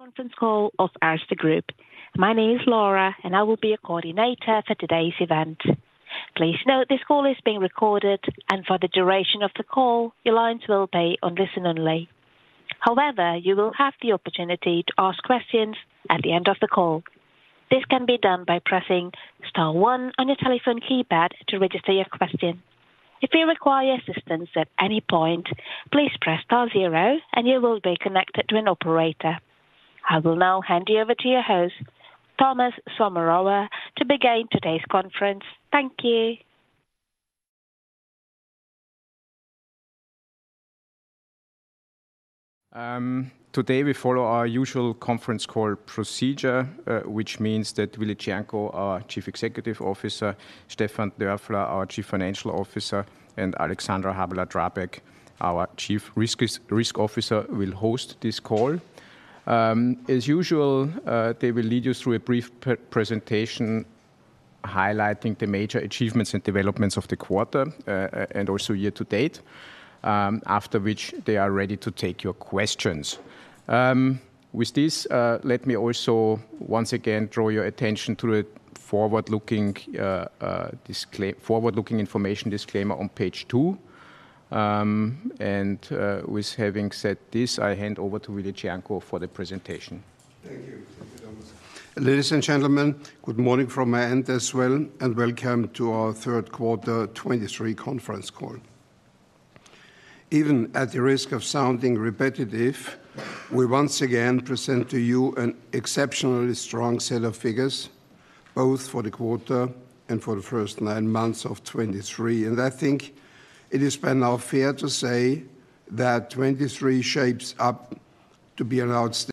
Conference Call of Erste Group. My name is Laura, and I will be your coordinator for today's event. Please note, this call is being recorded, and for the duration of the call, your lines will be on listen only. However, you will have the opportunity to ask questions at the end of the call. This can be done by pressing star one on your telephone keypad to register your question. If you require assistance at any point, please press star zero and you will be connected to an operator. I will now hand you over to your host, Thomas Sommerauer, to begin today's conference. Thank you. Today, we follow our usual conference call procedure, which means that Willibald Cernko, our Chief Executive Officer, Stefan Dörfler, our Chief Financial Officer, and Alexandra Habeler-Drabek, our Chief Risk Officer, will host this call. As usual, they will lead you through a brief pre-presentation, highlighting the major achievements and developments of the quarter, and also year to date, after which they are ready to take your questions. With this, let me also once again draw your attention to the forward-looking information disclaimer on page two. With having said this, I hand over to Willibald Cernko for the presentation. Thank you. Thank you, Thomas. Ladies and gentlemen, good morning from my end as well, and welcome to our Q3 2023 Conference Call. Even at the risk of sounding repetitive, we once again present to you an exceptionally strong set of figures, both for the quarter and for the first nine months of 2023. I think it is by now fair to say that 2023 shapes up to be an outstanding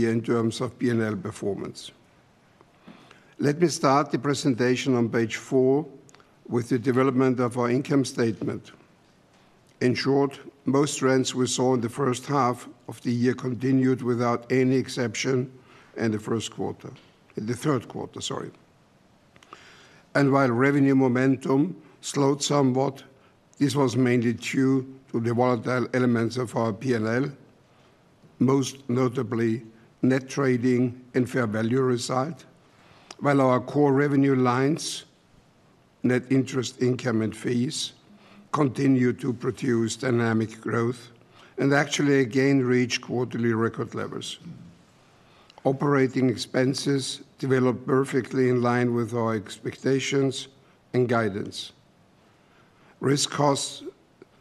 year in terms of P&L performance. Let me start the presentation on page four with the development of our income statement. In short, most trends we saw in the first half of the year continued without any exception in the Q3, sorry. While revenue momentum slowed somewhat, this was mainly due to the volatile elements of our P&L, most notably net trading and fair value result. While our core revenue lines, net interest income and fees, continue to produce dynamic growth and actually again reach quarterly record levels. Operating expenses developed perfectly in line with our expectations and guidance. Risk costs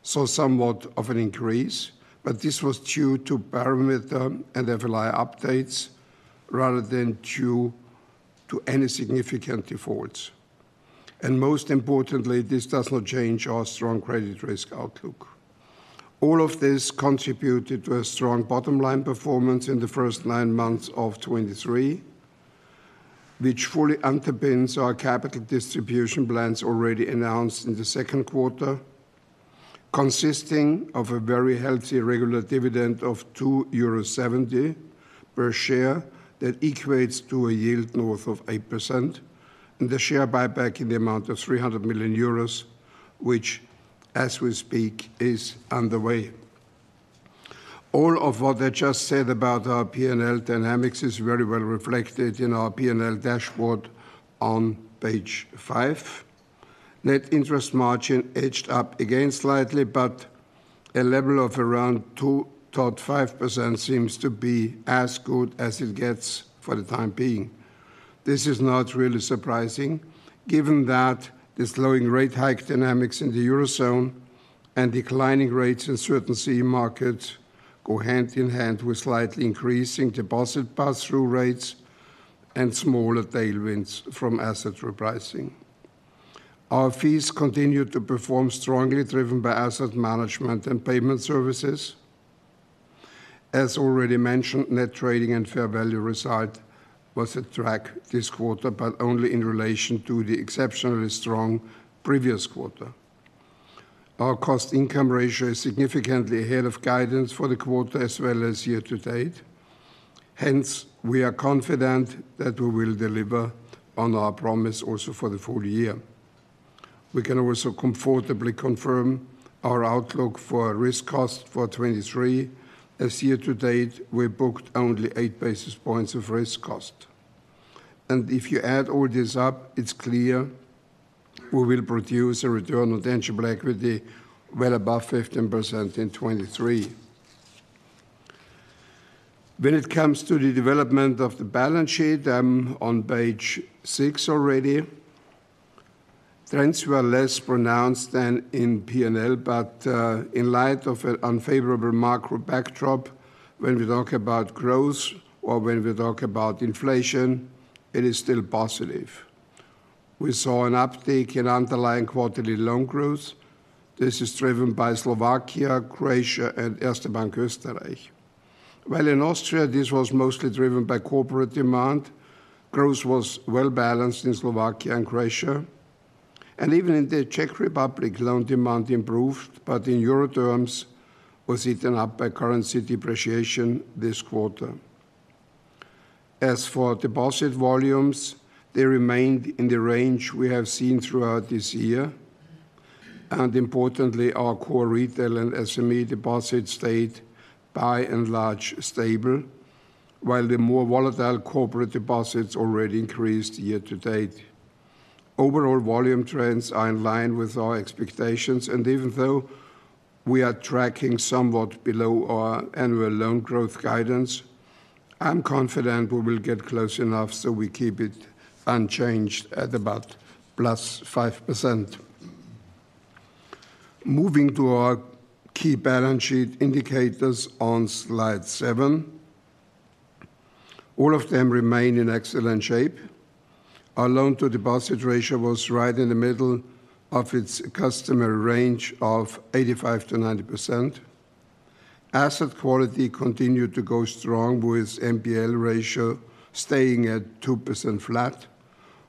saw somewhat of an increase, but this was due to parameter and FLI updates rather than due to any significant defaults. Most importantly, this does not change our strong credit risk outlook. All of this contributed to a strong bottom line performance in the first nine months of 2023, which fully underpins our capital distribution plans already announced in Q2, consisting of a very healthy regular dividend of 2.70 euro per share, that equates to a yield north of 8%, and the share buyback in the amount of 300 million euros, which, as we speak, is underway. All of what I just said about our P&L dynamics is very well reflected in our P&L dashboard on page five. Net interest margin edged up again slightly, but a level of around 2.5% seems to be as good as it gets for the time being. This is not really surprising, given that the slowing rate hike dynamics in the Eurozone and declining rates in certain CEE markets go hand in hand with slightly increasing deposit pass-through rates and smaller tailwinds from asset repricing. Our fees continued to perform strongly, driven by asset management and payment services. As already mentioned, net trading and fair value result was a drag this quarter, but only in relation to the exceptionally strong previous quarter. Our cost income ratio is significantly ahead of guidance for the quarter as well as year-to-date. Hence, we are confident that we will deliver on our promise also for the full year. We can also comfortably confirm our outlook for risk cost for 2023, as year to date, we booked only eight basis points of risk cost. If you add all this up, it's clear we will produce a return on tangible equity well above 15% in 2023. When it comes to the development of the balance sheet, on page 6 already, trends were less pronounced than in P&L, but, in light of an unfavorable macro backdrop, when we talk about growth or when we talk about inflation, it is still positive. We saw an uptake in underlying quarterly loan growth. This is driven by Slovakia, Croatia, and Erste Bank Österreich. While in Austria, this was mostly driven by corporate demand, growth was well balanced in Slovakia and Croatia, and even in the Czech Republic, loan demand improved, but in euro terms, was eaten up by currency depreciation this quarter. As for deposit volumes, they remained in the range we have seen throughout this year. Importantly, our core retail and SME deposits stayed by and large stable, while the more volatile corporate deposits already increased year to date. Overall volume trends are in line with our expectations, and even though we are tracking somewhat below our annual loan growth guidance, I'm confident we will get close enough, so we keep it unchanged at about plus 5%. Moving to our key balance sheet indicators on slide seven, all of them remain in excellent shape. Our loan to deposit ratio was right in the middle of its customer range of 85%-90%. Asset quality continued to go strong, with NPL ratio staying at 2% flat,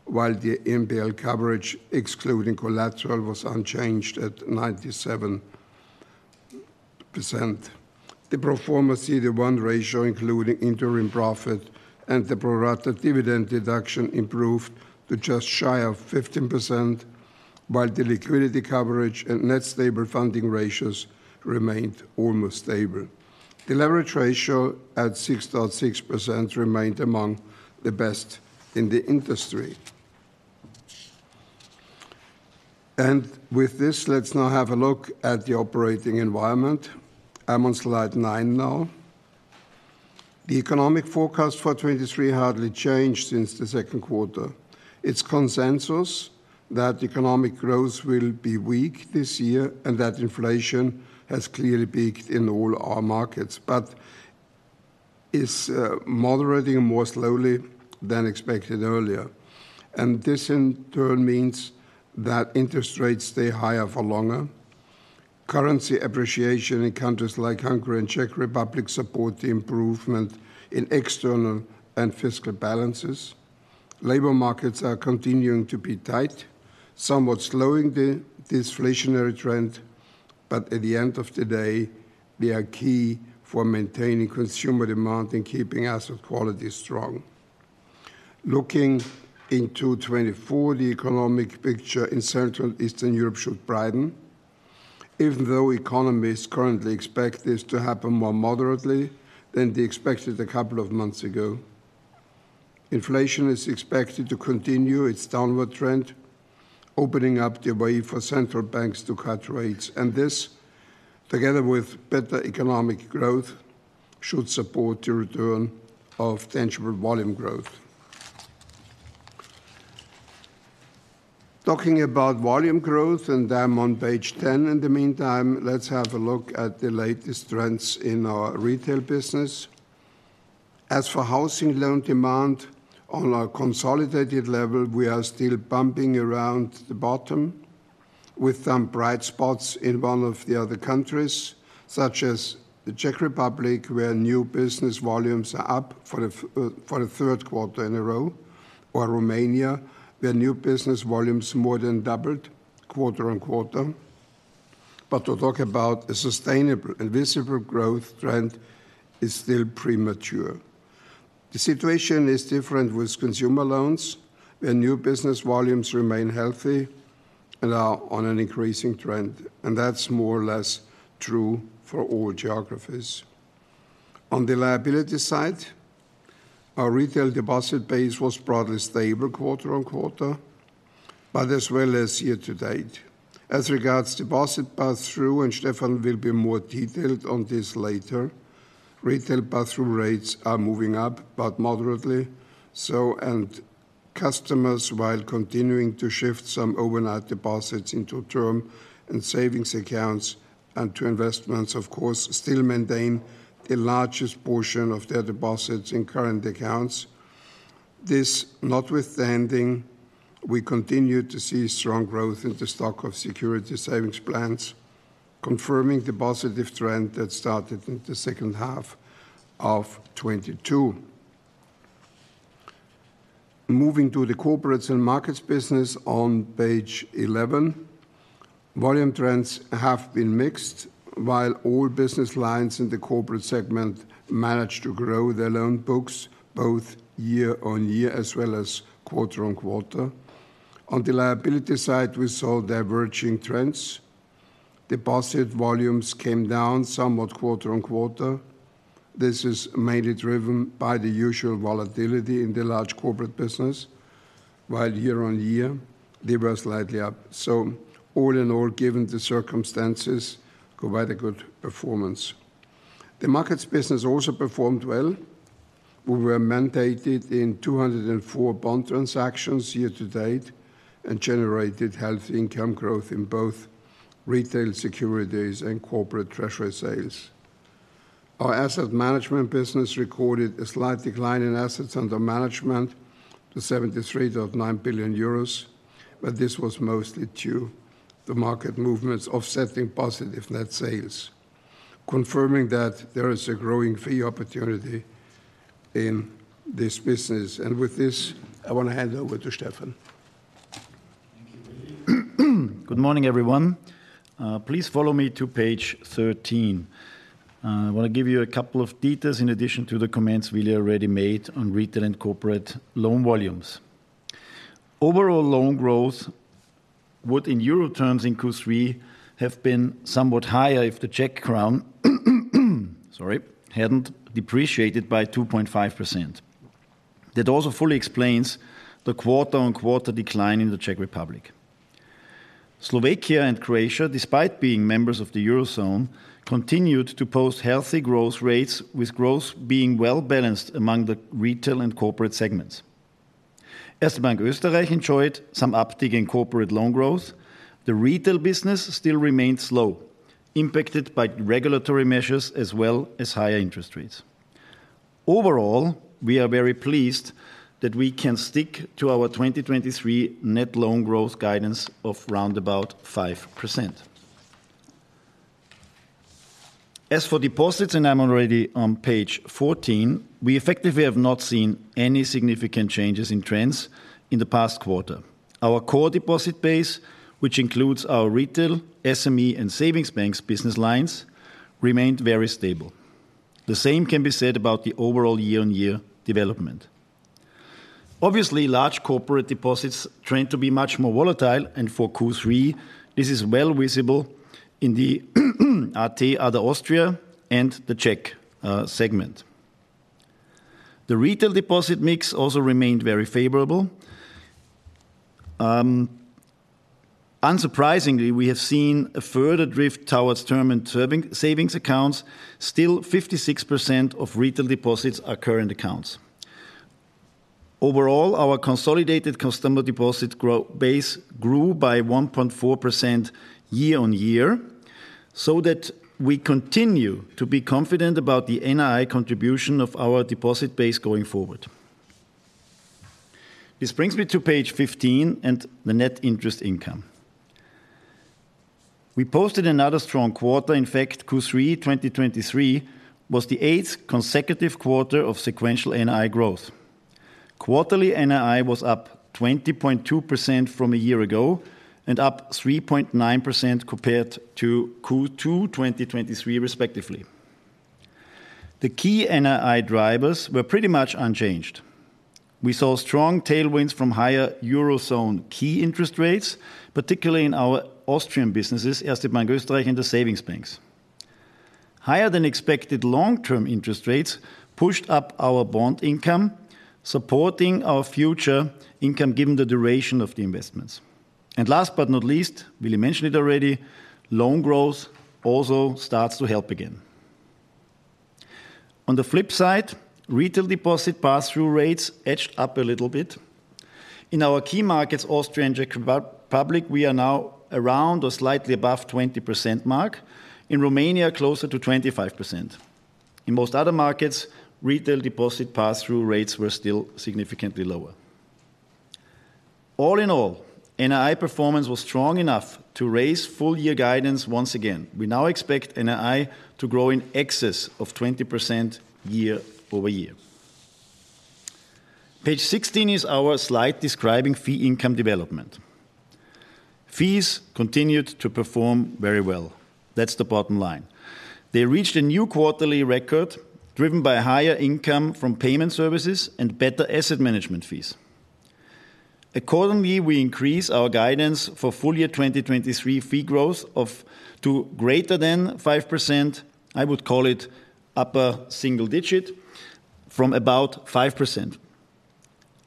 while the NPL coverage, excluding collateral, was unchanged at 97%. The pro forma CET1 ratio, including interim profit and the pro rata dividend deduction, improved to just shy of 15%, while the liquidity coverage and net stable funding ratios remained almost stable. The leverage ratio, at 6.6%, remained among the best in the industry. With this, let's now have a look at the operating environment. I'm on slide nine now. The economic forecast for 2023 hardly changed since Q2. It's consensus that economic growth will be weak this year, and that inflation has clearly peaked in all our markets, but is moderating more slowly than expected earlier. This in turn means that interest rates stay higher for longer. Currency appreciation in countries like Hungary and Czech Republic support the improvement in external and fiscal balances. Labor markets are continuing to be tight, somewhat slowing the disinflationary trend, but at the end of the day, they are key for maintaining consumer demand and keeping asset quality strong. Looking into 2024, the economic picture in Central Eastern Europe should brighten, even though economists currently expect this to happen more moderately than they expected a couple of months ago. Inflation is expected to continue its downward trend, opening up the way for central banks to cut rates, and this, together with better economic growth, should support the return of tangible volume growth. Talking about volume growth, and I'm on page 10 in the meantime, let's have a look at the latest trends in our retail business. As for housing loan demand, on a consolidated level, we are still bumping around the bottom, with some bright spots in one of the other countries, such as the Czech Republic, where new business volumes are up for the Q3 in a row, or Romania, where new business volumes more than doubled quarter on quarter. But to talk about a sustainable and visible growth trend is still premature. The situation is different with consumer loans, where new business volumes remain healthy and are on an increasing trend, and that's more or less true for all geographies. On the liability side, our retail deposit base was broadly stable quarter on quarter, but as well as year to date. As regards deposit pass-through, and Stefan will be more detailed on this later, retail pass-through rates are moving up, but moderately so. Customers, while continuing to shift some overnight deposits into term and savings accounts and to investments, of course, still maintain the largest portion of their deposits in current accounts. This notwithstanding, we continue to see strong growth in the stock of security savings plans, confirming the positive trend that started in the second half of 2022. Moving to the corporates and markets business on page 11, volume trends have been mixed. While all business lines in the corporate segment managed to grow their loan books, both year-on-year as well as quarter-on-quarter. On the liability side, we saw diverging trends. Deposit volumes came down somewhat quarter-on-quarter. This is mainly driven by the usual volatility in the large corporate business, while year-on-year, they were slightly up. So all in all, given the circumstances, quite a good performance. The markets business also performed well. We were mandated in 204 bond transactions year to date and generated healthy income growth in both retail securities and corporate treasury sales. Our asset management business recorded a slight decline in assets under management to 73.9 billion euros, but this was mostly due to the market movements offsetting positive net sales, confirming that there is a growing fee opportunity in this business. With this, I want to hand over to Stefan. Good morning, everyone. Please follow me to page 13. I want to give you a couple of details in addition to the comments we already made on retail and corporate loan volumes. Overall loan growth would, in euro terms, in Q3, have been somewhat higher if the Czech koruna, sorry, hadn't depreciated by 2.5%. That also fully explains the quarter-on-quarter decline in the Czech Republic. Slovakia and Croatia, despite being members of the Eurozone, continued to post healthy growth rates, with growth being well-balanced among the retail and corporate segments. Erste Bank Österreich enjoyed some uptick in corporate loan growth. The retail business still remains slow, impacted by regulatory measures as well as higher interest rates. Overall, we are very pleased that we can stick to our 2023 net loan growth guidance of round about 5%. As for deposits, and I'm already on page 14, we effectively have not seen any significant changes in trends in the past quarter. Our core deposit base, which includes our retail, SME, and savings banks business lines, remained very stable. The same can be said about the overall year-on-year development. Obviously, large corporate deposits tend to be much more volatile, and for Q3, this is well visible in the AT, other Austria, and the Czech segment. The retail deposit mix also remained very favorable. Unsurprisingly, we have seen a further drift towards term and savings accounts. Still, 56% of retail deposits are current accounts. Overall, our consolidated customer deposit growth base grew by 1.4% year-on-year, so that we continue to be confident about the NI contribution of our deposit base going forward. This brings me to page 15 and the net interest income. We posted another strong quarter. In fact, Q3 2023 was the eighth consecutive quarter of sequential NI growth. Quarterly NI was up 20.2% from a year ago and up 3.9% compared to Q2 2023, respectively. The key NI drivers were pretty much unchanged. We saw strong tailwinds from higher Eurozone key interest rates, particularly in our Austrian businesses, Erste Bank Österreich, and the savings banks. Higher than expected long-term interest rates pushed up our bond income, supporting our future income, given the duration of the investments. And last but not least, Willi mentioned it already, loan growth also starts to help again. On the flip side, retail deposit pass-through rates edged up a little bit. In our key markets, Austria and Czech Republic, we are now around or slightly above 20% mark. In Romania, closer to 25%. In most other markets, retail deposit pass-through rates were still significantly lower. All in all, NI performance was strong enough to raise full-year guidance once again. We now expect NI to grow in excess of 20% year-over-year. Page 16 is our slide describing fee income development. Fees continued to perform very well. That's the bottom line. They reached a new quarterly record, driven by higher income from payment services and better asset management fees. Accordingly, we increase our guidance for full-year 2023 fee growth to greater than 5%, I would call it upper single-digit, from about 5%.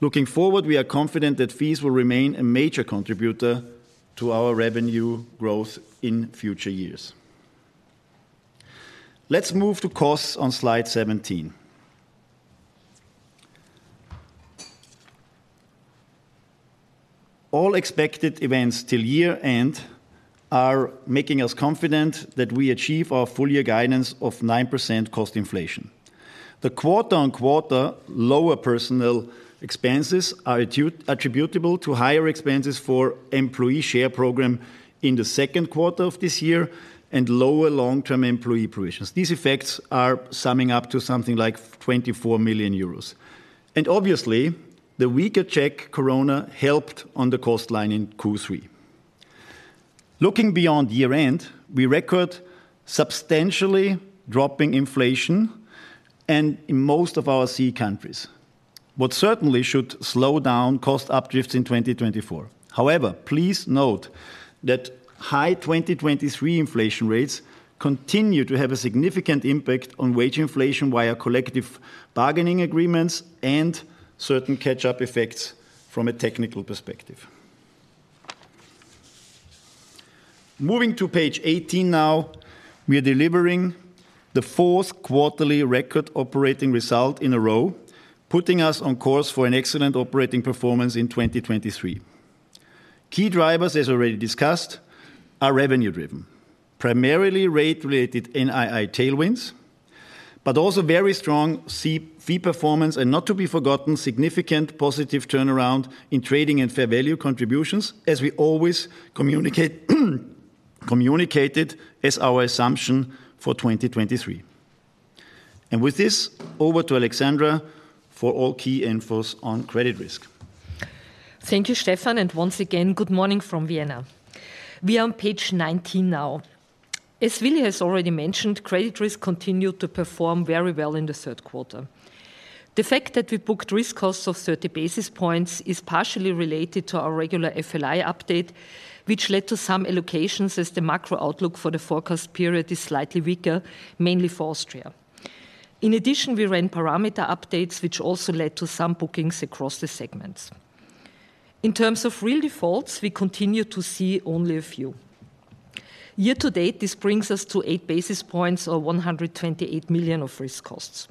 Looking forward, we are confident that fees will remain a major contributor to our revenue growth in future years. Let's move to costs on slide 17. All expected events till year-end are making us confident that we achieve our full year guidance of 9% cost inflation. The quarter-on-quarter lower personal expenses are attributable to higher expenses for employee share program in Q2 of this year and lower long-term employee provisions. These effects are summing up to something like 24 million euros. And obviously, the weaker Czech koruna helped on the cost line in Q3. Looking beyond year-end, we record substantially dropping inflation and in most of our CEE countries, what certainly should slow down cost up drifts in 2024. However, please note that high 2023 inflation rates continue to have a significant impact on wage inflation via collective bargaining agreements and certain catch-up effects from a technical perspective. Moving to page 18 now, we are delivering quarterly record operating result in a row, putting us on course for an excellent operating performance in 2023. Key drivers, as already discussed, are revenue driven, primarily rate-related NI tailwinds, but also very strong fee performance and not to be forgotten, significant positive turnaround in trading and fair value contributions, as we always communicate, communicated as our assumption for 2023. With this, over to Alexandra for all key infos on credit risk. Thank you, Stefan, and once again, good morning from Vienna. We are on page 19 now. As Willi has already mentioned, credit risk continued to perform very well in the Q3. The fact that we booked risk costs of 30 basis points is partially related to our regular FLI update, which led to some allocations as the macro outlook for the forecast period is slightly weaker, mainly for Austria. In addition, we ran parameter updates, which also led to some bookings across the segments. In terms of real defaults, we continue to see only a few. Year to date, this brings us to eight basis points or 128 million of risk costs.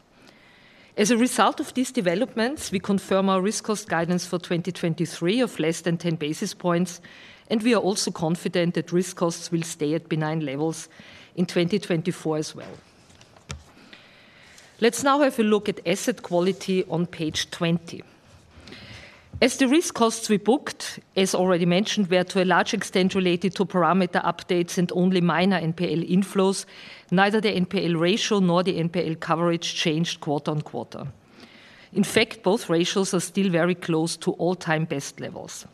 As a result of these developments, we confirm our risk cost guidance for 2023 of less than 10 basis points, and we are also confident that risk costs will stay at benign levels in 2024 as well. Let's now have a look at asset quality on page 20. As the risk costs we booked, as already mentioned, were to a large extent related to parameter updates and only minor NPL inflows, neither the NPL ratio nor the NPL coverage changed quarter on quarter. In fact, both ratios are still very close to all-time best levels.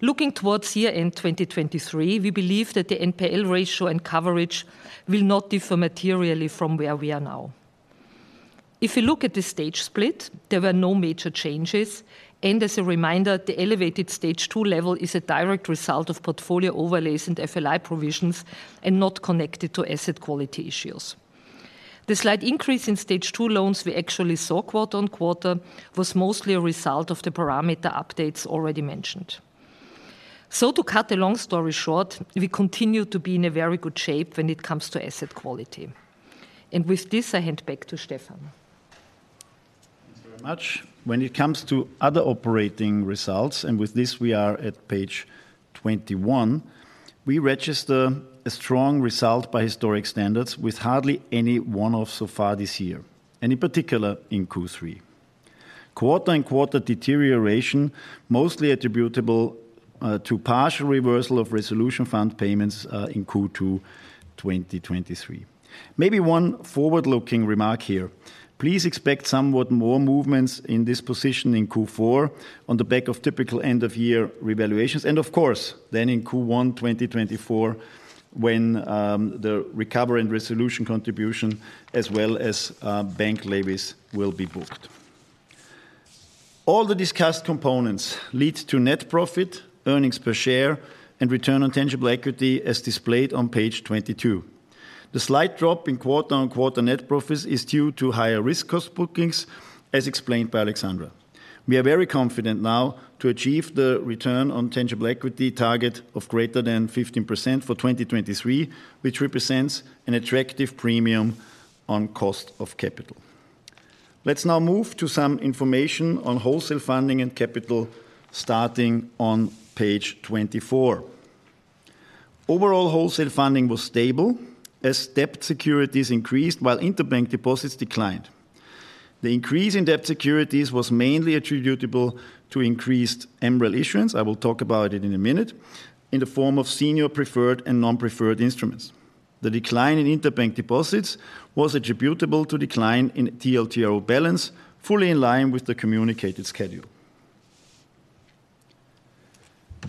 Looking towards year-end 2023, we believe that the NPL ratio and coverage will not differ materially from where we are now. If you look at the Stage split, there were no major changes, and as a reminder, the elevated Stage 2 level is a direct result of portfolio overlays and FLI provisions and not connected to asset quality issues. The slight increase in Stage 2 loans we actually saw quarter-on-quarter was mostly a result of the parameter updates already mentioned. So to cut a long story short, we continue to be in a very good shape when it comes to asset quality. And with this, I hand back to Stefan. Thank you very much. When it comes to other operating results, and with this we are at page 21, we register a strong result by historic standards with hardly any one-off so far this year, and in particular, in Q3. Quarter-on-quarter deterioration, mostly attributable to partial reversal of resolution fund payments in Q2 2023. Maybe one forward-looking remark here: please expect somewhat more movements in this position in Q4 on the back of typical end-of-year revaluations, and of course, then in Q1 2024, when the recovery and resolution contribution, as well as bank levies will be booked. All the discussed components lead to net profit, earnings per share, and return on tangible equity, as displayed on page 22. The slight drop in quarter-on-quarter net profits is due to higher risk cost bookings, as explained by Alexandra. We are very confident now to achieve the return on tangible equity target of greater than 15% for 2023, which represents an attractive premium on cost of capital. Let's now move to some information on wholesale funding and capital, starting on page 24. Overall, wholesale funding was stable as debt securities increased while interbank deposits declined. The increase in debt securities was mainly attributable to increased MREL issuance, I will talk about it in a minute, in the form of senior preferred and non-preferred instruments. The decline in interbank deposits was attributable to decline in TLTRO balance, fully in line with the communicated schedule.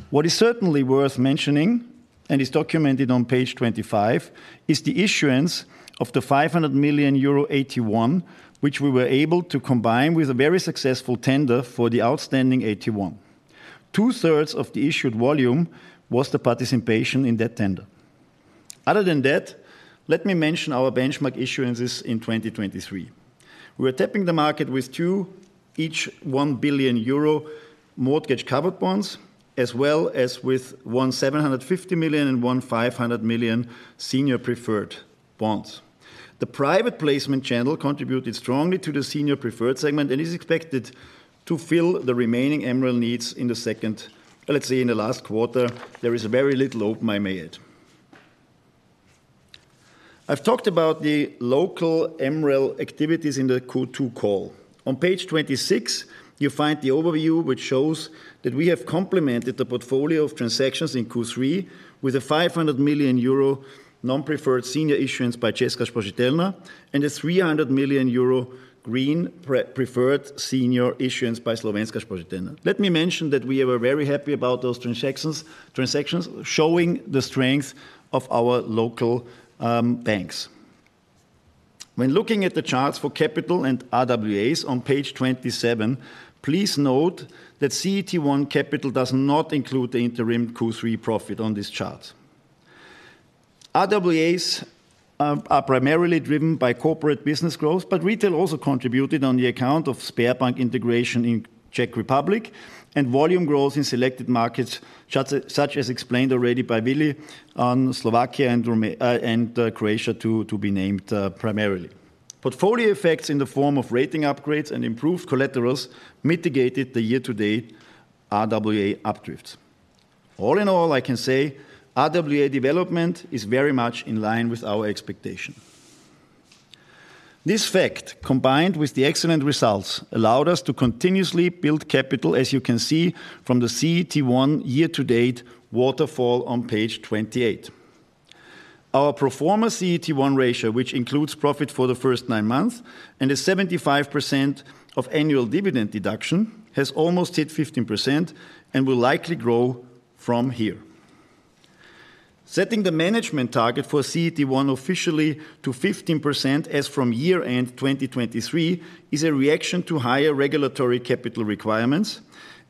What is certainly worth mentioning, and is documented on page 25, is the issuance of 500 million euro AT1, which we were able to combine with a very successful tender for the outstanding AT1. Two-thirds of the issued volume was the participation in that tender. Other than that, let me mention our benchmark issuances in 2023. We are tapping the market with two, each 1 billion euro mortgage-covered bonds, as well as with one 750 million and one 500 million senior preferred bonds. The private placement channel contributed strongly to the senior preferred segment and is expected to fill the remaining MREL needs in the second... Let's say in the last quarter, there is a very little hope, I may add. I've talked about the local MREL activities in the Q2 call. On page 26, you find the overview, which shows that we have complemented the portfolio of transactions in Q3 with a 500 million euro non-preferred senior issuance by Česká spořitelna and a 300 million euro green preferred senior issuance by Slovenská sporiteľňa. Let me mention that we are very happy about those transactions, transactions showing the strength of our local banks. When looking at the charts for capital and RWAs on page 27, please note that CET1 capital does not include the interim Q3 profit on this chart. RWAs are primarily driven by corporate business growth, but retail also contributed on account of Sberbank integration in Czech Republic and volume growth in selected markets, such as explained already by Willi on Slovakia and Romania and Croatia to be named primarily. Portfolio effects in the form of rating upgrades and improved collateral mitigated the year-to-date RWA uplifts. All in all, I can say RWA development is very much in line with our expectation. This fact, combined with the excellent results, allowed us to continuously build capital, as you can see from the CET1 year-to-date waterfall on page 28. Our pro forma CET1 ratio, which includes profit for the first nine months and a 75% of annual dividend deduction, has almost hit 15% and will likely grow from here. Setting the management target for CET1 officially to 15% as from year-end 2023, is a reaction to higher regulatory capital requirements,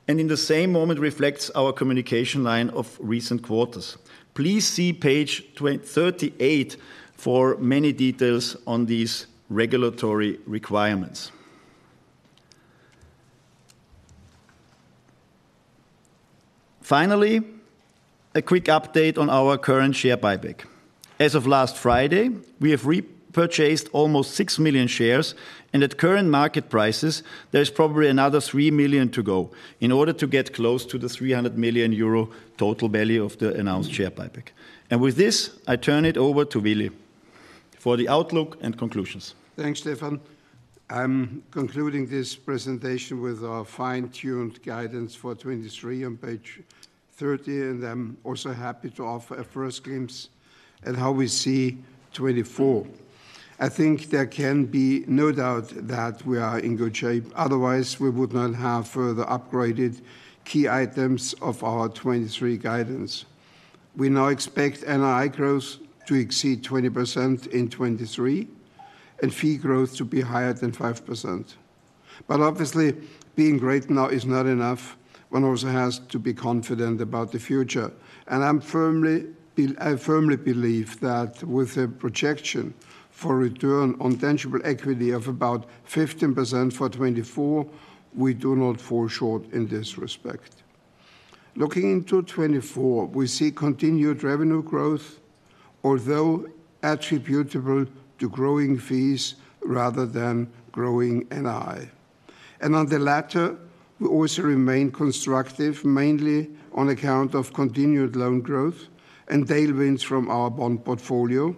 and in the same moment, reflects our communication line of recent quarters. Please see page 38 for many details on these regulatory requirements. Finally, a quick update on our current share buyback. As of last Friday, we have repurchased almost six million shares, and at current market prices, there is probably another three million to go in order to get close to the 300 million euro total value of the announced share buyback. With this, I turn it over to Willi for the outlook and conclusions. Thanks, Stefan. I'm concluding this presentation with our fine-tuned guidance for 2023 on page 30, and I'm also happy to offer a first glimpse at how we see 2024. I think there can be no doubt that we are in good shape, otherwise we would not have further upgraded key items of our 2023 guidance. We now expect NI growth to exceed 20% in 2023, and fee growth to be higher than 5%. But obviously, being great now is not enough. One also has to be confident about the future, and I firmly believe that with a projection for return on tangible equity of about 15% for 2024, we do not fall short in this respect. Looking into 2024, we see continued revenue growth, although attributable to growing fees rather than growing NI. And on the latter, we also remain constructive, mainly on account of continued loan growth and tailwinds from our bond portfolio.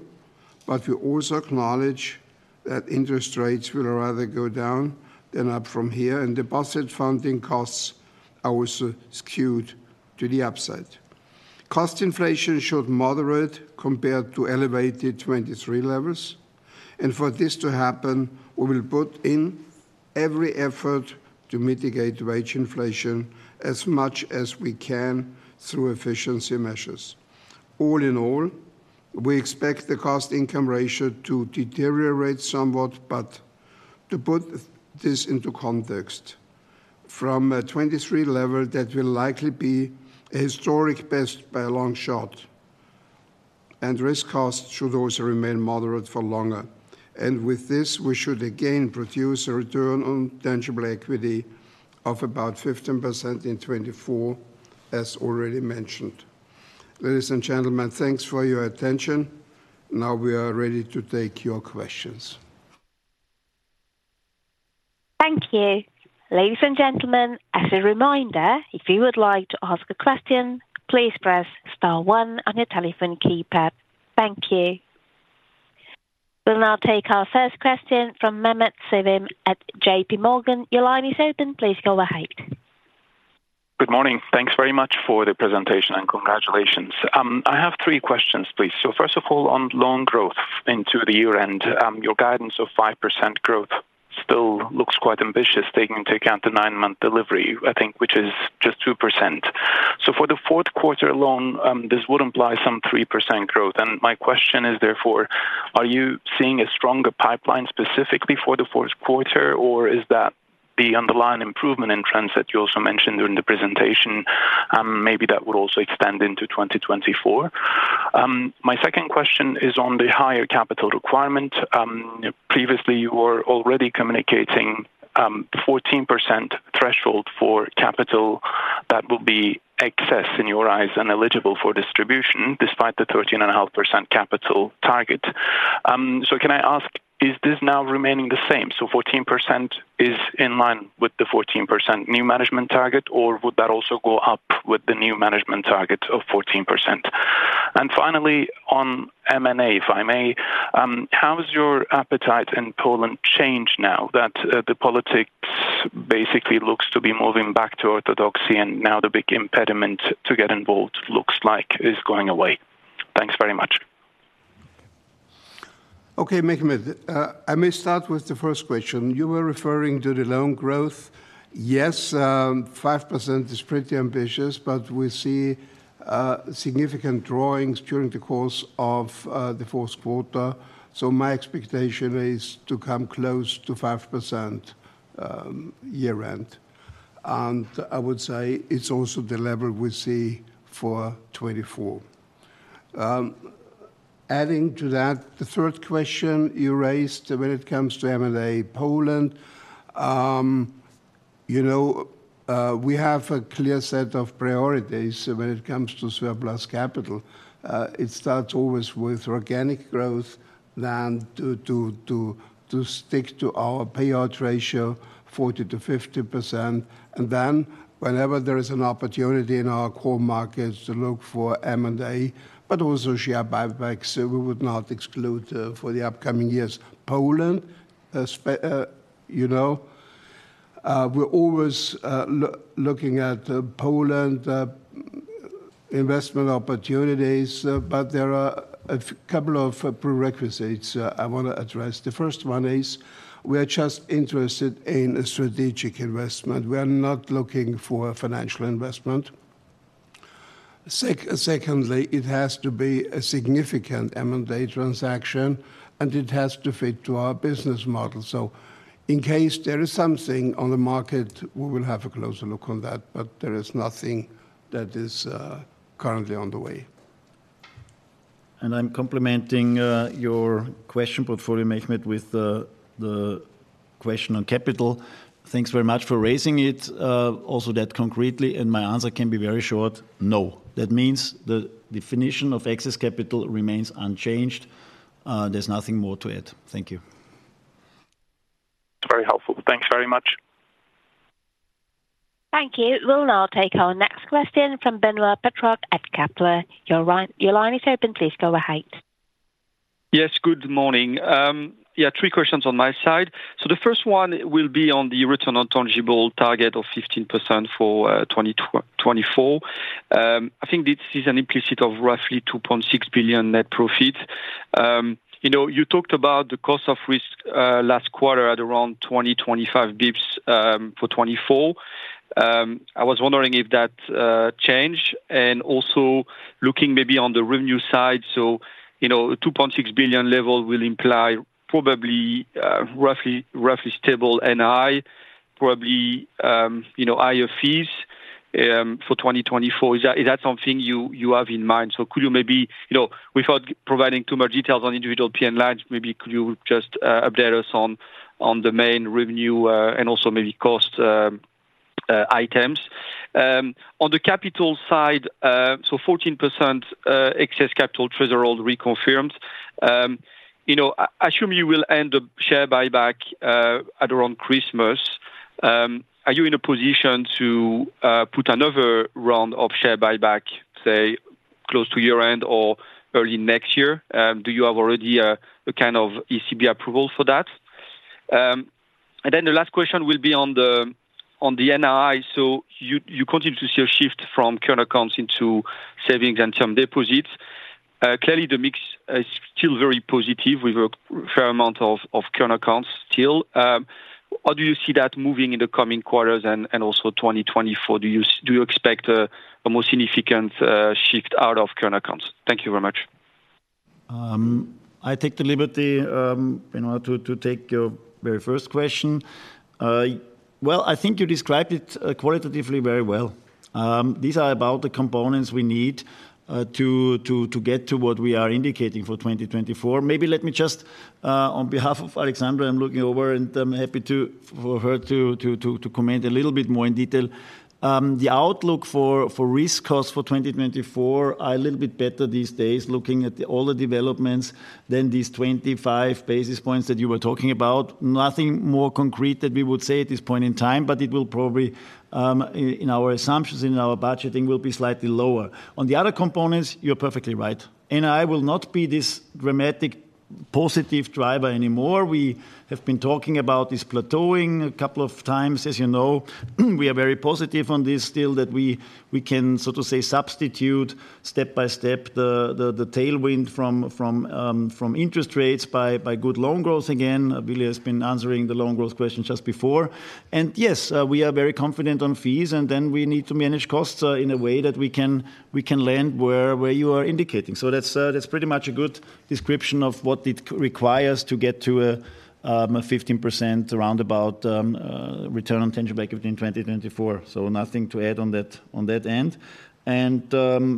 But we also acknowledge that interest rates will rather go down than up from here, and deposit funding costs are also skewed to the upside. Cost inflation should moderate compared to elevated 2023 levels, and for this to happen, we will put in every effort to mitigate wage inflation as much as we can through efficiency measures. All in all, we expect the cost-income ratio to deteriorate somewhat, but to put this into context, from a 2023 level, that will likely be a historic best by a long shot, and risk costs should also remain moderate for longer. And with this, we should again produce a return on tangible equity of about 15% in 2024, as already mentioned. Ladies and gentlemen, thanks for your attention. Now we are ready to take your questions. Thank you. Ladies and gentlemen, as a reminder, if you would like to ask a question, please press star one on your telephone keypad. Thank you. We'll now take our first question from Mehmet Sevim at J.P. Morgan. Your line is open. Please go ahead. Good morning. Thanks very much for the presentation, and congratulations. I have three questions, please. So first of all, on loan growth into the year-end, your guidance of 5% growth still looks quite ambitious, taking into account the nine-month delivery, I think, which is just 2%. So for Q4 loan, this would imply some 3% growth, and my question is, therefore, are you seeing a stronger pipeline specifically for Q4, or is that the underlying improvement in trends that you also mentioned during the presentation, maybe that would also extend into 2024? My second question is on the higher capital requirement. Previously, you were already communicating, 14% threshold for capital that will be excess in your eyes and eligible for distribution, despite the 13.5% capital target. So can I ask, is this now remaining the same? Fourteen percent is in line with the 14% new management target, or would that also go up with the new management target of 14%? And finally, on M&A, if I may, how has your appetite in Poland changed now that the politics basically looks to be moving back to orthodoxy, and now the big impediment to get involved looks like it is going away? Thanks very much. Okay, Mehmet, I may start with the first question. You were referring to the loan growth. Yes, 5% is pretty ambitious, but we see significant drawings during the course of Q4. So my expectation is to come close to 5% year-end, and I would say it's also the level we see for 2024. Adding to that, the third question you raised when it comes to M&A Poland, you know, we have a clear set of priorities when it comes to surplus capital. It starts always with organic growth, then to stick to our payout ratio, 40%-50%, and then whenever there is an opportunity in our core markets to look for M&A, but also share buybacks, so we would not exclude for the upcoming years. Poland, you know-... We're always looking at Poland investment opportunities. But there are a couple of prerequisites I wanna address. The first one is we are just interested in a strategic investment. We are not looking for a financial investment. Secondly, it has to be a significant M&A transaction, and it has to fit to our business model. So in case there is something on the market, we will have a closer look on that, but there is nothing that is currently on the way. I'm complementing your question portfolio, Mehmet, with the question on capital. Thanks very much for raising it also that concretely, and my answer can be very short: No. That means the definition of excess capital remains unchanged. There's nothing more to add. Thank you. Very helpful. Thanks very much. Thank you. We'll now take our next question from Benoit Petrarque at Kepler Cheuvreux. Your line, your line is open. Please go ahead. Yes, good morning. Yeah, three questions on my side. So the first one will be on the return on tangible target of 15% for 2024. I think this is an implicit of roughly 2.6 billion net profit. You know, you talked about the cost of risk last quarter at around 20-25 basis points for 2024. I was wondering if that changed? And also looking maybe on the revenue side, so you know, a 2.6 billion level will imply probably roughly stable NI, probably you know, higher fees for 2024. Is that something you have in mind? So could you maybe, you know, without providing too much details on individual P&L, maybe could you just update us on the main revenue and also maybe cost items. On the capital side, so 14% excess capital threshold reconfirmed. You know, I assume you will end the share buyback at around Christmas. Are you in a position to put another round of share buyback, say, close to year-end or early next year? Do you have already a kind of ECB approval for that? And then the last question will be on the NI. So you continue to see a shift from current accounts into savings and term deposits. Clearly, the mix is still very positive, with a fair amount of current accounts still. How do you see that moving in the coming quarters and also 2024? Do you expect a more significant shift out of current accounts? Thank you very much. I take the liberty, you know, to take your very first question. Well, I think you described it qualitatively very well. These are about the components we need to get to what we are indicating for 2024. Maybe let me just, on behalf of Alexandra, I'm looking over, and I'm happy for her to comment a little bit more in detail. The outlook for risk costs for 2024 are a little bit better these days, looking at all the developments than these 25 basis points that you were talking about. Nothing more concrete that we would say at this point in time, but it will probably, in our assumptions, in our budgeting, will be slightly lower. On the other components, you're perfectly right. NI will not be this dramatic positive driver anymore. We have been talking about this plateauing a couple of times. As you know, we are very positive on this still, that we can, so to say, substitute step by step the tailwind from interest rates by good loan growth again. Willi has been answering the loan growth question just before. And yes, we are very confident on fees, and then we need to manage costs in a way that we can land where you are indicating. So that's pretty much a good description of what it requires to get to a 15% roundabout return on tangible equity in 2024. So nothing to add on that end. And,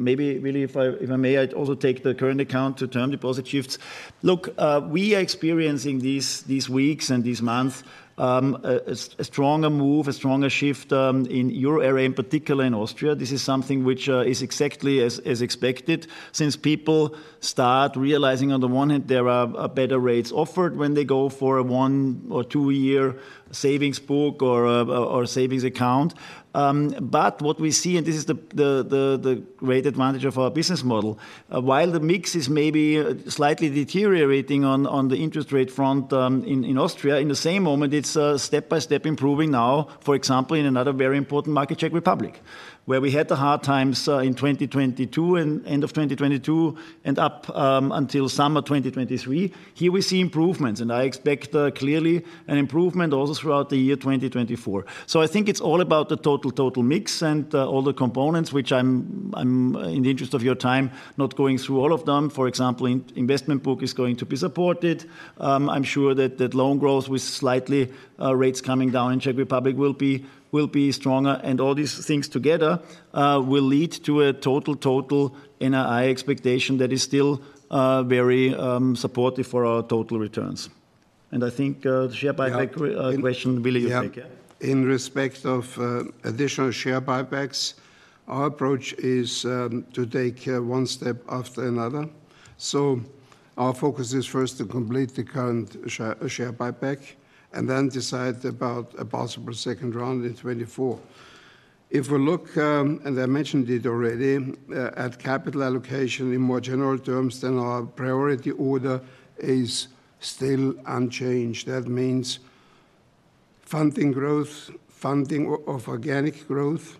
maybe, if I may, I'd also take the current account to term deposit shifts. Look, we are experiencing these weeks and these months, a stronger move, a stronger shift, in Euro area, in particular in Austria. This is something which is exactly as expected, since people start realizing, on the one hand, there are better rates offered when they go for a one or two-year savings book or savings account. But what we see, and this is the great advantage of our business model, while the mix is maybe slightly deteriorating on the interest rate front, in Austria, in the same moment, it's step-by-step improving now, for example, in another very important market, Czech Republic. Where we had the hard times in 2022 and end of 2022, and up until summer 2023, here we see improvements, and I expect clearly an improvement also throughout the year 2024. So I think it's all about the total, total mix and all the components, which I'm in the interest of your time not going through all of them. For example, investment book is going to be supported. I'm sure that loan growth with slightly rates coming down in Czech Republic will be stronger, and all these things together will lead to a total, total NI expectation that is still very supportive for our total returns. And I think the share buyback- Yeah... question, Willi, you take, yeah? Yeah. In respect of additional share buybacks, our approach is to take one step after another. So our focus is first to complete the current share buyback and then decide about a possible second round in 2024. If we look, and I mentioned it already, at capital allocation in more general terms, then our priority order is still unchanged. That means funding growth, funding of organic growth,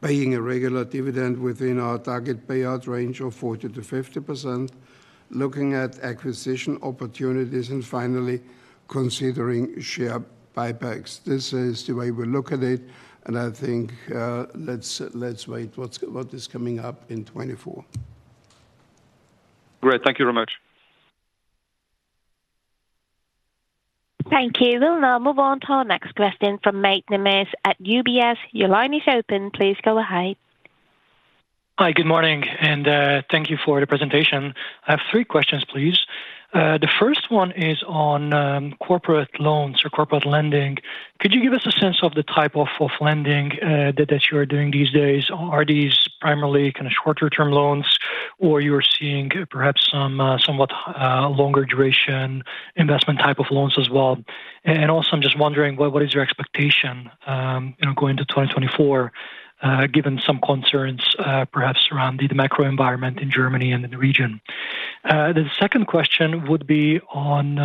paying a regular dividend within our target payout range of 40%-50%, looking at acquisition opportunities, and finally, considering share buybacks. This is the way we look at it, and I think, let's wait what's coming up in 2024. Great. Thank you very much. Thank you. We'll now move on to our next question from Mate Nemes at UBS. Your line is open. Please go ahead. Hi, good morning, and thank you for the presentation. I have three questions, please. The first one is on corporate loans or corporate lending. Could you give us a sense of the type of lending that you are doing these days? Are these primarily kind of shorter-term loans, or you're seeing perhaps some somewhat longer duration investment type of loans as well? And also, I'm just wondering what is your expectation, you know, going to 2024, given some concerns perhaps around the macro environment in Germany and in the region? The second question would be on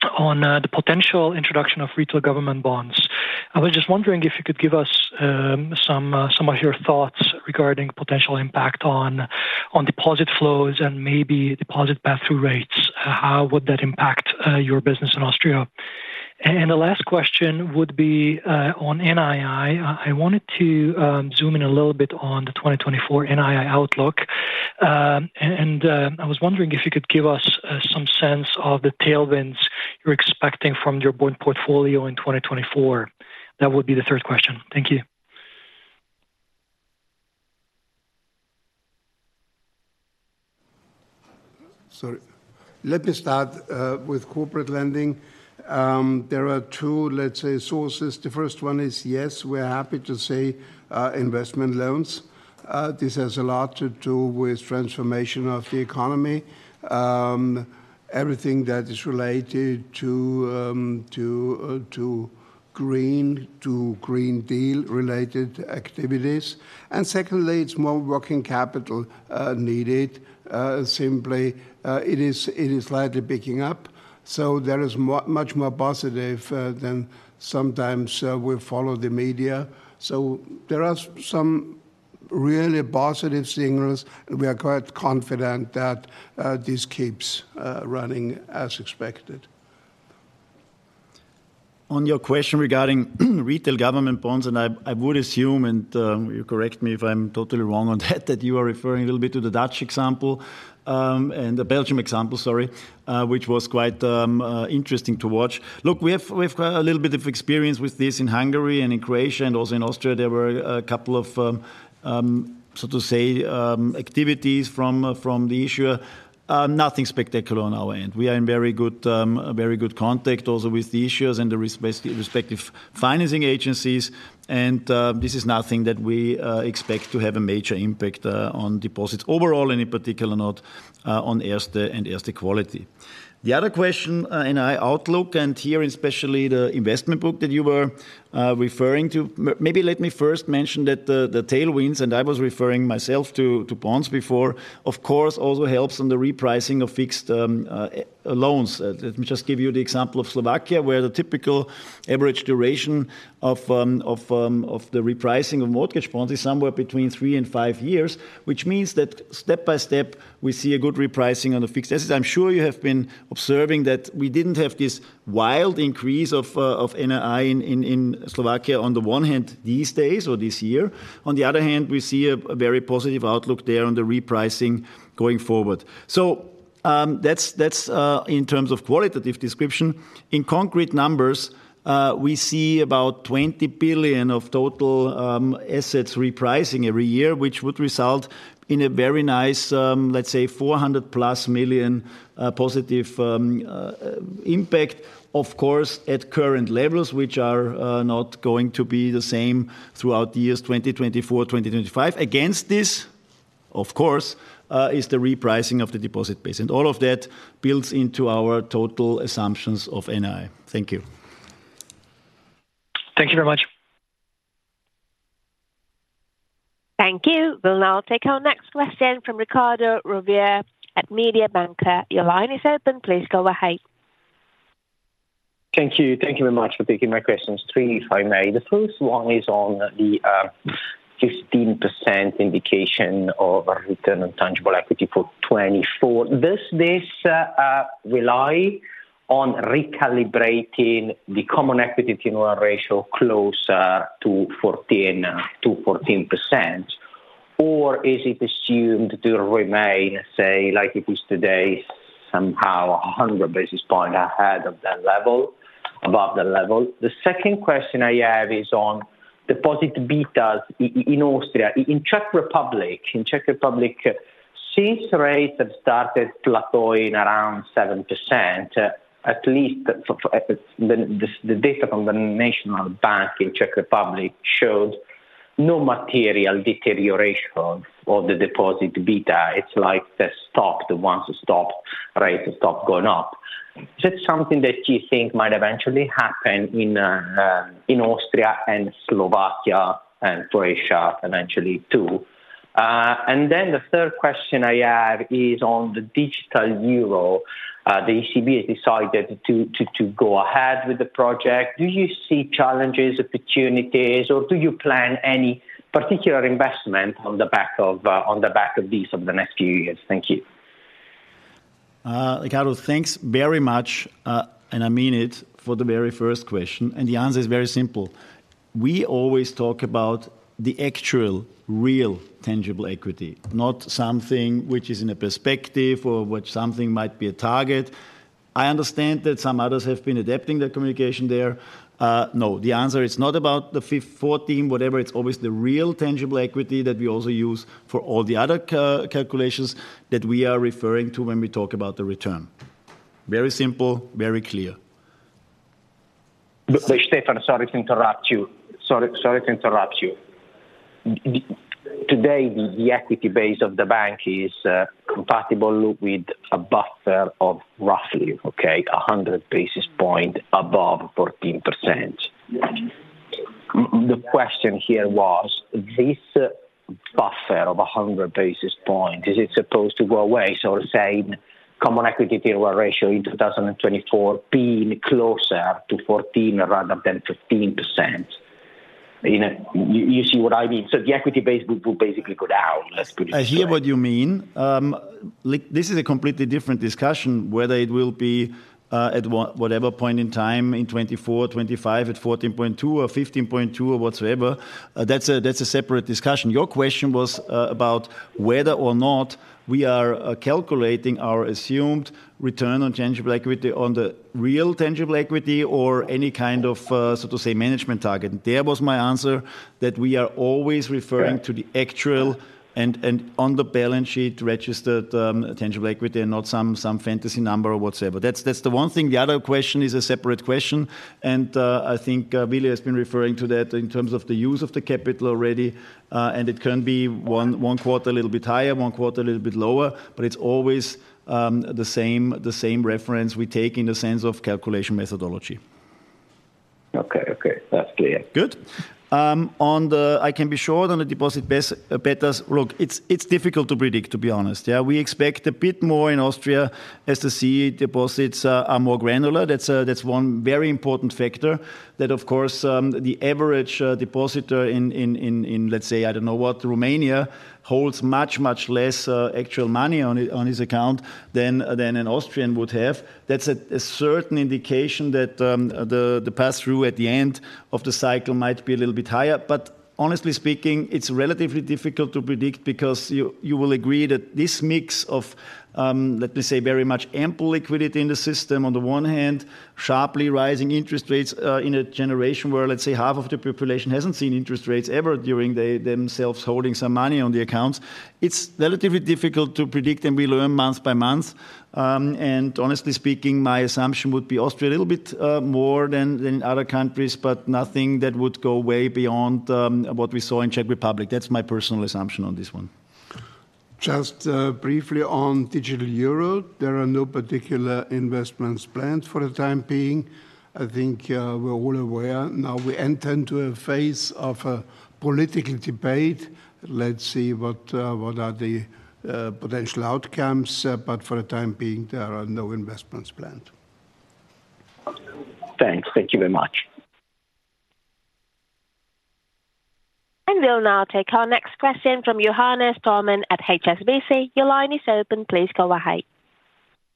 the potential introduction of retail government bonds. I was just wondering if you could give us some of your thoughts regarding potential impact on deposit flows and maybe deposit pass-through rates. How would that impact your business in Austria? And the last question would be on NI. I wanted to zoom in a little bit on the 2024 NI outlook. And I was wondering if you could give us some sense of the tailwinds you're expecting from your bond portfolio in 2024. That would be the third question. Thank you. So let me start with corporate lending. There are two, let's say, sources. The first one is, yes, we're happy to say, investment loans. This has a lot to do with transformation of the economy. Everything that is related to green, to Green Deal-related activities. And secondly, it's more working capital needed. Simply, it is slightly picking up, so there is much more positive than sometimes we follow the media. So there are some really positive signals, and we are quite confident that this keeps running as expected. On your question regarding retail government bonds, and I, I would assume, and, you correct me if I'm totally wrong on that, that you are referring a little bit to the Dutch example, and the Belgian example, sorry, which was quite interesting to watch. Look, we have, we've got a little bit of experience with this in Hungary and in Croatia and also in Austria. There were a couple of, so to say, activities from the issuer. Nothing spectacular on our end. We are in very good, very good contact also with the issuers and the respective financing agencies, and, this is nothing that we expect to have a major impact on deposits overall, any particular note on Erste and Erste quality. The other question, in our outlook, and here, especially the investment book that you were referring to. Maybe let me first mention that the tailwinds, and I was referring myself to bonds before, of course, also helps on the repricing of fixed loans. Let me just give you the example of Slovakia, where the typical average duration of the repricing of mortgage bonds is somewhere between three and five years, which means that step by step, we see a good repricing on the fixed assets. I'm sure you have been observing that we didn't have this wild increase of NI in Slovakia on the one hand, these days or this year. On the other hand, we see a very positive outlook there on the repricing going forward. So, that's in terms of qualitative description. In concrete numbers, we see about 20 billion of total assets repricing every year, which would result in a very nice, let's say, 400 million+ positive impact. Of course, at current levels, which are not going to be the same throughout the years 2024, 2025. Against this, of course, is the repricing of the deposit base, and all of that builds into our total assumptions of NI. Thank you. Thank you very much. Thank you. We'll now take our next question from Riccardo Rovere at Mediobanca. Your line is open. Please go ahead. Thank you. Thank you very much for taking my questions. Three, if I may. The first one is on the 15% indication of a return on tangible equity for 2024. Does this rely on recalibrating the common equity tier 1 ratio closer to 14, to 14%? Or is it assumed to remain, say, like it is today, somehow 100 basis points ahead of that level, above that level? The second question I have is on deposit betas in Austria. In Czech Republic, in Czech Republic, since rates have started plateauing around 7%, at least for, at the... The data from the National Bank in Czech Republic showed no material deterioration of the deposit beta. It's like the stock, the ones who stop, right, stop going up. Is it something that you think might eventually happen in Austria and Slovakia, and Croatia eventually, too? And then the third question I have is on the digital euro. The ECB has decided to go ahead with the project. Do you see challenges, opportunities, or do you plan any particular investment on the back of this over the next few years? Thank you. Riccardo, thanks very much, and I mean it, for the very first question, and the answer is very simple. We always talk about the actual, real tangible equity, not something which is in a perspective or which something might be a target. I understand that some others have been adapting their communication there. No, the answer is not about the 14, whatever. It's always the real tangible equity that we also use for all the other calculations that we are referring to when we talk about the return. Very simple, very clear. But Stefan, sorry to interrupt you. Sorry to interrupt you. Today, the equity base of the bank is compatible with a buffer of roughly 100 basis points above 14%. The question here was: this buffer of 100 basis points, is it supposed to go away? So we're saying Common Equity Tier 1 ratio in 2024 being closer to 14% rather than 15%. You know, you see what I mean? So the equity base will basically go down, let's put it this way. I hear what you mean. This is a completely different discussion, whether it will be at whatever point in time, in 2024, 2025, at 14.2 or 15.2 or whatsoever. That's a separate discussion. Your question was about whether or not we are calculating our assumed return on tangible equity on the real tangible equity or any kind of, so to say, management target. There was my answer, that we are always referring- Correct... to the actual and on the balance sheet, registered tangible equity and not some fantasy number or whatsoever. That's the one thing. The other question is a separate question, and I think Willi has been referring to that in terms of the use of the capital already. And it can be one quarter a little bit higher, one quarter a little bit lower, but it's always the same reference we take in the sense of calculation methodology. Okay, okay. That's clear. Good. On the—I can be sure that the deposit betas... Look, it's difficult to predict, to be honest. Yeah, we expect a bit more in Austria, as deposits are more granular. That's one very important factor that, of course, the average depositor in, let's say, Romania, holds much less actual money on his account than an Austrian would have. That's a certain indication that the pass-through at the end of the cycle might be a little bit higher. But honestly speaking, it's relatively difficult to predict because you will agree that this mix of, let me say, very much ample liquidity in the system, on the one hand, sharply rising interest rates, in a generation where, let's say, half of the population hasn't seen interest rates ever during they themselves holding some money on the accounts. It's relatively difficult to predict, and we learn month by month. And honestly speaking, my assumption would be Austria a little bit more than other countries, but nothing that would go way beyond what we saw in Czech Republic. That's my personal assumption on this one. Just, briefly on digital euro, there are no particular investments planned for the time being. I think, we're all aware now we enter into a phase of a political debate. Let's see what, what are the, potential outcomes, but for the time being, there are no investments planned. Thanks. Thank you very much. We'll now take our next question from Johannes Thormann at HSBC. Your line is open. Please go ahead.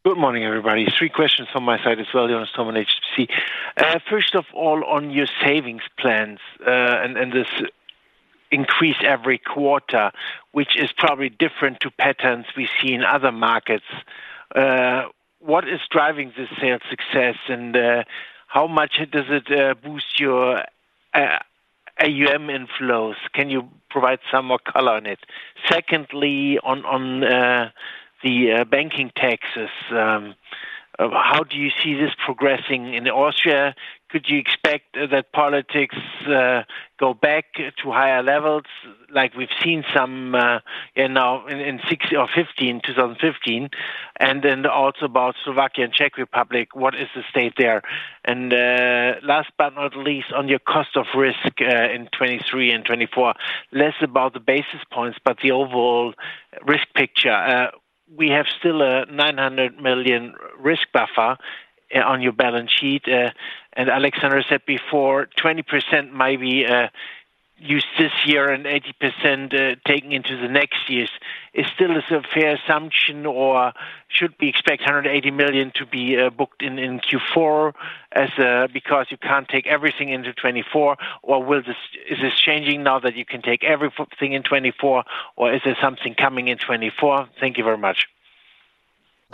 Good morning, everybody. Three questions on my side as well, Johannes Thormann, HSBC. First of all, on your savings plans, and this increase every quarter, which is probably different to patterns we see in other markets, what is driving this sales success? How much does it boost your AUM inflows? Can you provide some more color on it? Secondly, on the banking taxes, how do you see this progressing in Austria? Could you expect that politics go back to higher levels like we've seen some in 2016 or 2015? Also about Slovakia and Czech Republic, what is the state there? Last but not least, on your cost of risk in 2023 and 2024, less about the basis points, but the overall risk picture. We have still a 900 million risk buffer on your balance sheet. And Alexandra said before, 20% might be used this year and 80%, taken into the next years. It still is a fair assumption, or should we expect 180 million to be booked in Q4 as, because you can't take everything into 2024? Or will this- is this changing now that you can take everything in 2024, or is there something coming in 2024? Thank you very much.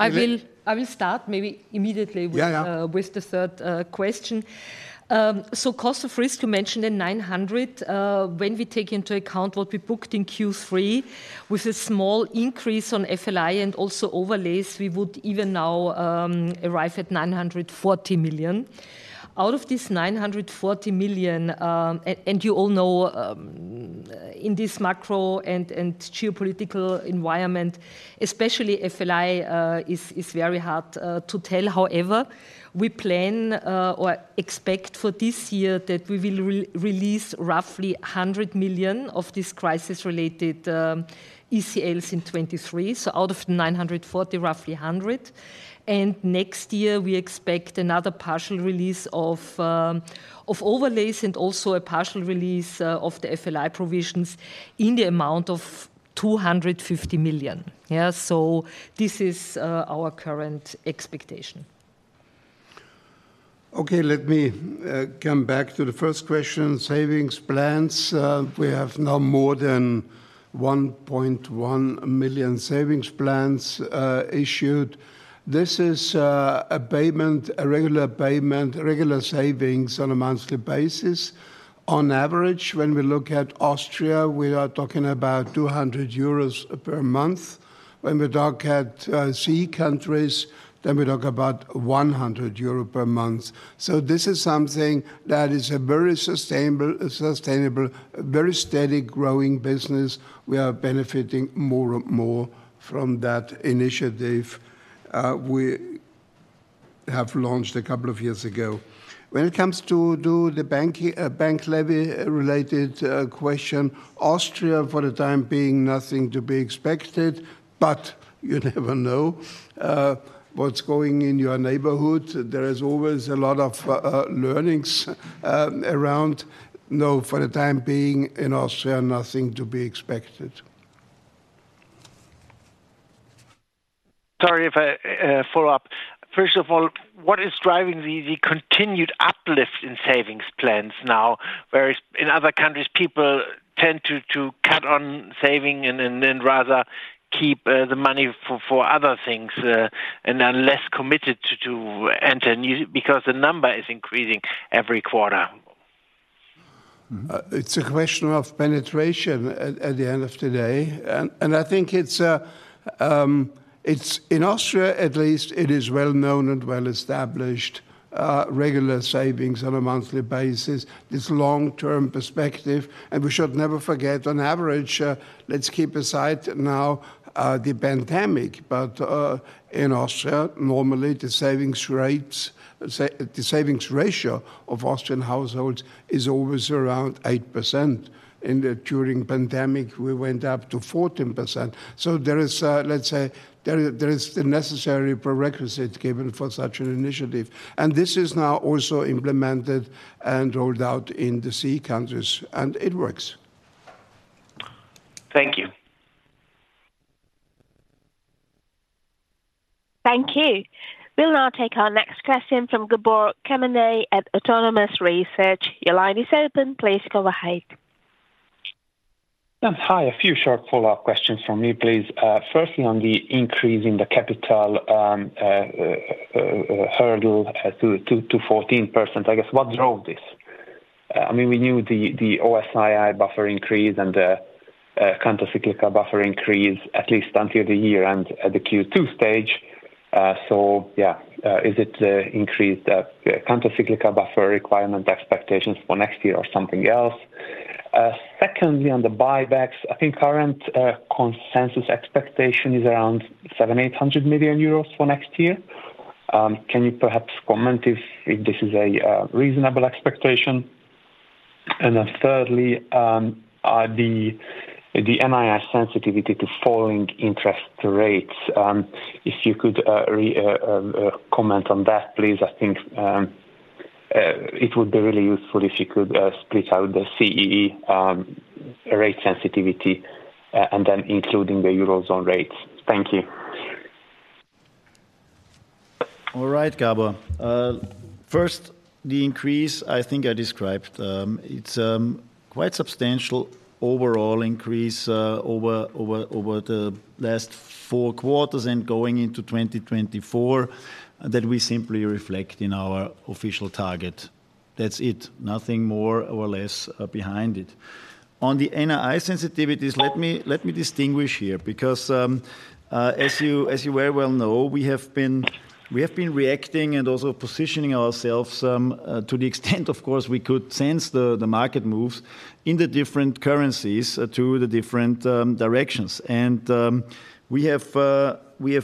I will start maybe immediately with- Yeah, yeah... with the third question. So cost of risk, you mentioned the 900 million. When we take into account what we booked in Q3, with a small increase on FLI and also overlays, we would even now arrive at 940 million. Out of this 940 million, and you all know,... in this macro and geopolitical environment, especially FLI, is very hard to tell. However, we plan or expect for this year that we will re-release roughly 100 million of this crisis-related ECLs in 2023. So out of 940 million, roughly 100 million. And next year, we expect another partial release of overlays and also a partial release of the FLI provisions in the amount of 250 million. Yeah, so this is our current expectation. Okay, let me come back to the first question: savings plans. We have now more than 1.1 million savings plans issued. This is a payment, a regular payment, regular savings on a monthly basis. On average, when we look at Austria, we are talking about 200 euros per month. When we talk at CEE countries, then we talk about 100 euro per month. So this is something that is a very sustainable, sustainable, very steady growing business. We are benefiting more and more from that initiative we have launched a couple of years ago. When it comes to the bank levy-related question, Austria, for the time being, nothing to be expected, but you never know what's going on in your neighborhood. There is always a lot of learnings around. No, for the time being in Austria, nothing to be expected. Sorry if I follow up. First of all, what is driving the continued uplift in savings plans now, whereas in other countries, people tend to cut on saving and then rather keep the money for other things, and are less committed to enter new because the number is increasing every quarter. It's a question of penetration at the end of the day. And I think it's in Austria, at least, it is well known and well established, regular savings on a monthly basis, this long-term perspective. And we should never forget, on average, let's keep aside now, the pandemic, but in Austria, normally, the savings ratio of Austrian households is always around 8%. During the pandemic, we went up to 14%. So there is, let's say, there is the necessary prerequisite given for such an initiative, and this is now also implemented and rolled out in the CEE countries, and it works. Thank you. Thank you. We'll now take our next question from Gabor Kemeny at Autonomous Research. Your line is open. Please go ahead. Hi, a few short follow-up questions from me, please. First, on the increase in the capital hurdle to 14%, I guess what drove this? I mean, we knew the O-SII buffer increase and the countercyclical buffer increase at least until the year and at the Q2 stage. So yeah, is it increased countercyclical buffer requirement expectations for next year or something else? Second, on the buybacks, I think current consensus expectation is around 700 million-800 million euros for next year. Can you perhaps comment if this is a reasonable expectation? Then thirdly, are the NIR sensitivity to falling interest rates, if you could comment on that, please. I think, it would be really useful if you could split out the CEE rate sensitivity, and then including the Eurozone rates. Thank you. All right, Gabor. First, the increase I think I described, it's quite substantial overall increase over the last four quarters and going into 2024, that we simply reflect in our official target. That's it. Nothing more or less behind it. On the NIR sensitivities, let me distinguish here because as you very well know, we have been reacting and also positioning ourselves to the extent, of course, we could sense the market moves in the different currencies to the different directions. And we have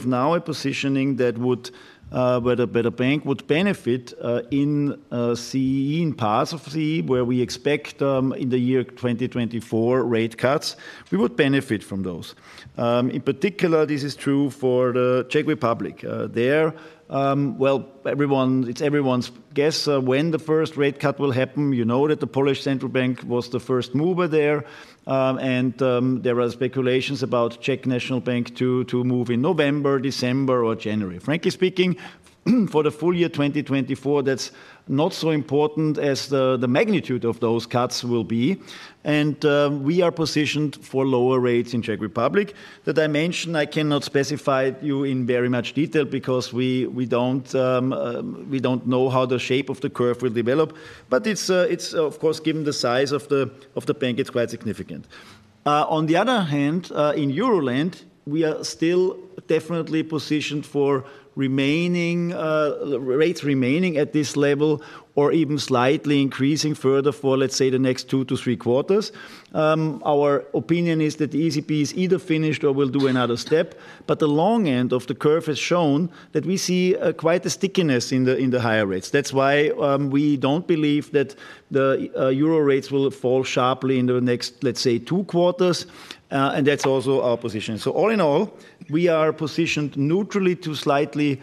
now a positioning that would where the bank would benefit in CEE, in parts of CEE, where we expect in the year 2024 rate cuts, we would benefit from those. In particular, this is true for the Czech Republic. There, everyone... It's everyone's guess when the first rate cut will happen. You know that the Polish Central Bank was the first mover there, and there are speculations about Czech National Bank to move in November, December or January. Frankly speaking, for the full year 2024, that's not so important as the magnitude of those cuts will be. And we are positioned for lower rates in Czech Republic. The dimension, I cannot specify to you in very much detail because we don't know how the shape of the curve will develop, but it's of course, given the size of the bank, it's quite significant. On the other hand, in Euroland, we are still definitely positioned for remaining rates remaining at this level or even slightly increasing further for, let's say, the next two to three quarters. Our opinion is that the ECB is either finished or will do another step, but the long end of the curve has shown that we see quite a stickiness in the higher rates. That's why, we don't believe that the euro rates will fall sharply in the next, let's say, two quarters. And that's also our position. So all in all, we are positioned neutrally to slightly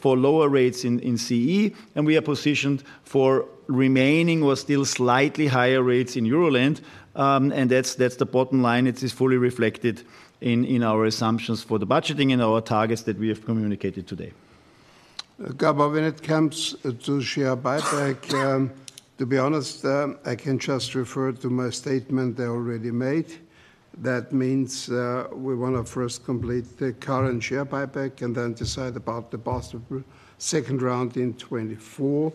for lower rates in CE, and we are positioned for remaining or still slightly higher rates in Euroland. And that's the bottom line. It is fully reflected in our assumptions for the budgeting and our targets that we have communicated today. Gabo, when it comes to share buyback, to be honest, I can just refer to my statement I already made. That means, we want to first complete the current share buyback and then decide about the possible second round in 2024.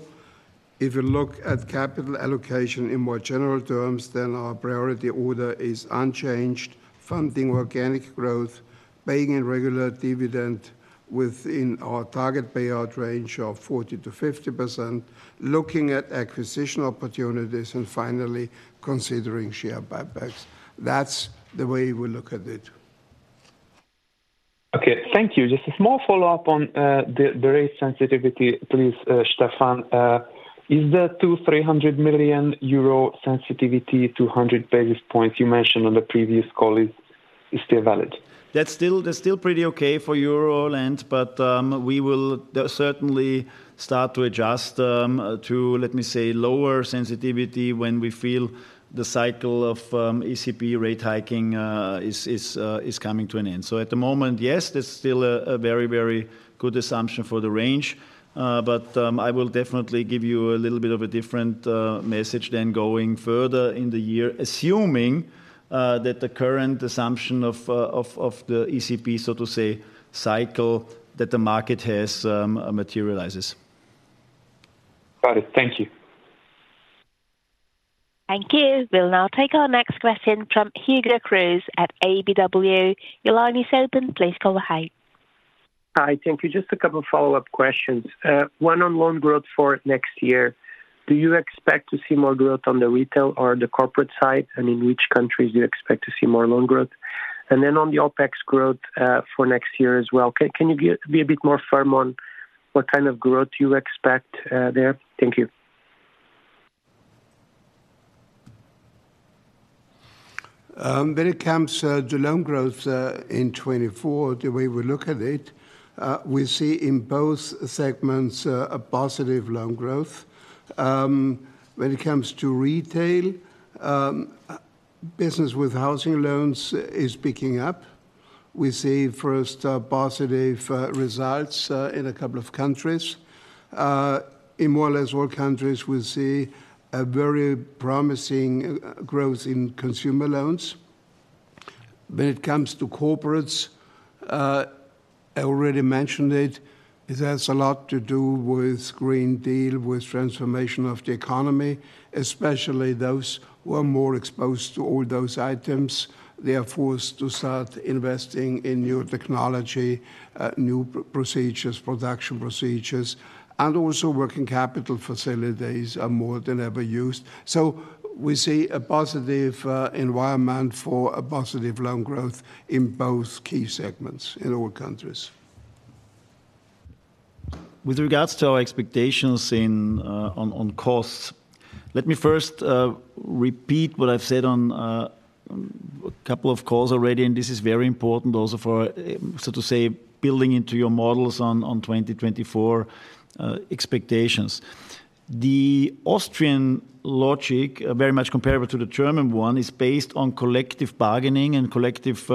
If you look at capital allocation in more general terms, then our priority order is unchanged: funding organic growth, paying a regular dividend within our target payout range of 40%-50%, looking at acquisition opportunities, and finally, considering share buybacks. That's the way we look at it. Okay, thank you. Just a small follow-up on the rate sensitivity, please, Stefan. Is the 200-300 million euro sensitivity to 100 basis points you mentioned on the previous call still valid? That's still, that's still pretty okay for Euroland, but we will certainly start to adjust to, let me say, lower sensitivity when we feel the cycle of ECB rate hiking is coming to an end. So at the moment, yes, there's still a very, very good assumption for the range, but I will definitely give you a little bit of a different message than going further in the year, assuming that the current assumption of the ECB, so to say, cycle, that the market has materializes. Got it. Thank you. Thank you. We'll now take our next question from Hugo Cruz at KBW. Your line is open. Please go ahead. Hi, thank you. Just a couple of follow-up questions. One on loan growth for next year. Do you expect to see more growth on the retail or the corporate side? And in which countries do you expect to see more loan growth? And then on the OpEx growth, for next year as well, can you be a bit more firm on what kind of growth you expect, there? Thank you. When it comes to the loan growth, in 2024, the way we look at it, we see in both segments, a positive loan growth. When it comes to retail, business with housing loans is picking up. We see first positive results in a couple of countries. In more or less all countries, we see a very promising growth in consumer loans. When it comes to corporates, I already mentioned it, it has a lot to do with Green Deal, with transformation of the economy, especially those who are more exposed to all those items. They are forced to start investing in new production procedures, and also working capital facilities are more than ever used. So we see a positive environment for a positive loan growth in both key segments in all countries. With regards to our expectations in, on, on costs, let me first, repeat what I've said on, a couple of calls already, and this is very important also for, so to say, building into your models on, on 2024, expectations. The Austrian logic, very much comparable to the German one, is based on collective bargaining and collective,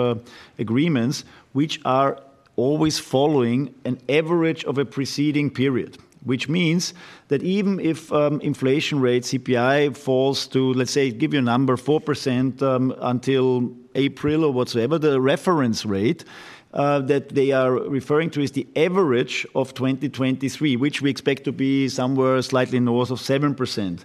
agreements, which are always following an average of a preceding period. Which means that even if, inflation rate, CPI, falls to, let's say, give you a number, 4%, until April or whatsoever, the reference rate, that they are referring to is the average of 2023, which we expect to be somewhere slightly north of 7%.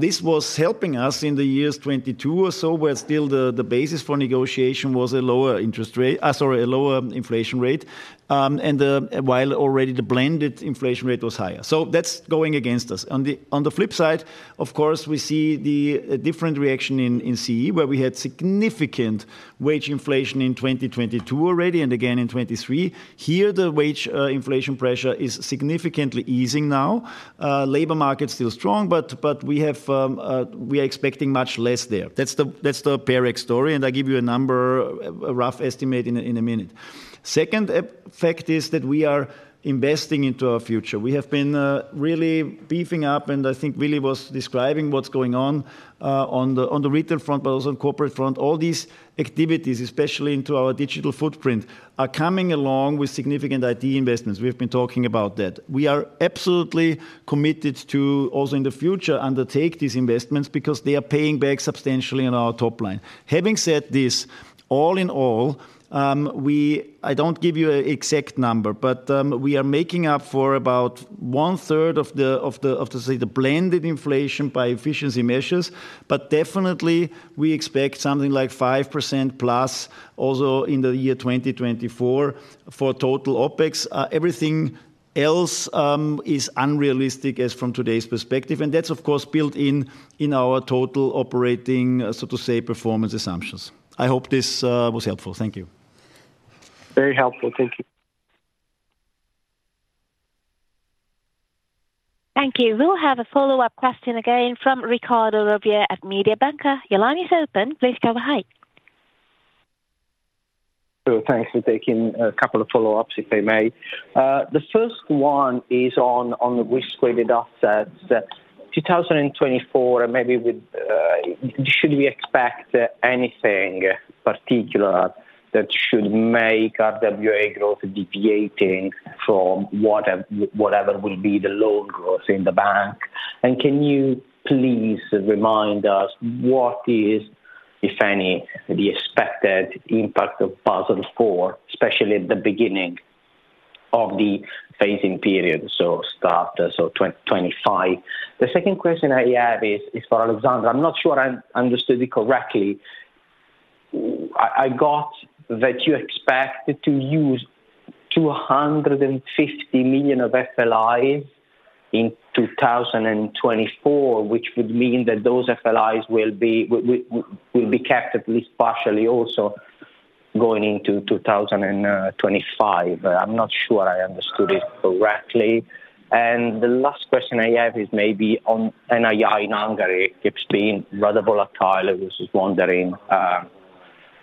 This was helping us in the years 2022 or so, where still the basis for negotiation was a lower interest rate, sorry, a lower inflation rate, and while already the blended inflation rate was higher. So that's going against us. On the flip side, of course, we see the different reaction in CEE, where we had significant wage inflation in 2022 already, and again in 2023. Here, the wage inflation pressure is significantly easing now. Labor market still strong, but we are expecting much less there. That's the OpEx story, and I'll give you a number, a rough estimate in a minute. Second effect is that we are investing into our future. We have been really beefing up, and I think Willi was describing what's going on on the retail front, but also on corporate front. All these activities, especially into our digital footprint, are coming along with significant IT investments. We have been talking about that. We are absolutely committed to also in the future undertake these investments because they are paying back substantially on our top line. Having said this, all in all, I don't give you an exact number, but we are making up for about one-third of the, say, the blended inflation by efficiency measures, but definitely, we expect something like 5%+ also in the year 2024 for total OpEx. Everything else is unrealistic as from today's perspective, and that's of course, built in in our total operating, so to say, performance assumptions. I hope this was helpful. Thank you. Very helpful. Thank you Thank you. We'll have a follow-up question again from Riccardo Rovere at Mediobanca. Your line is open. Please go ahead. So thanks for taking a couple of follow-ups, if I may. The first one is on the risk-weighted assets in 2024, maybe... Should we expect anything particular that should make RWA growth deviating from whatever will be the loan growth in the bank? And can you please remind us what is, if any, the expected impact of Basel IV, especially at the beginning of the phasing period, so starting in 2025? The second question I have is for Alexandra. I'm not sure I understood it correctly. I got that you expected to use 250 million of FLIs in 2024, which would mean that those FLIs will be kept at least partially also going into 2025. I'm not sure I understood it correctly. The last question I have is maybe on NI in Hungary. It's been rather volatile. I was just wondering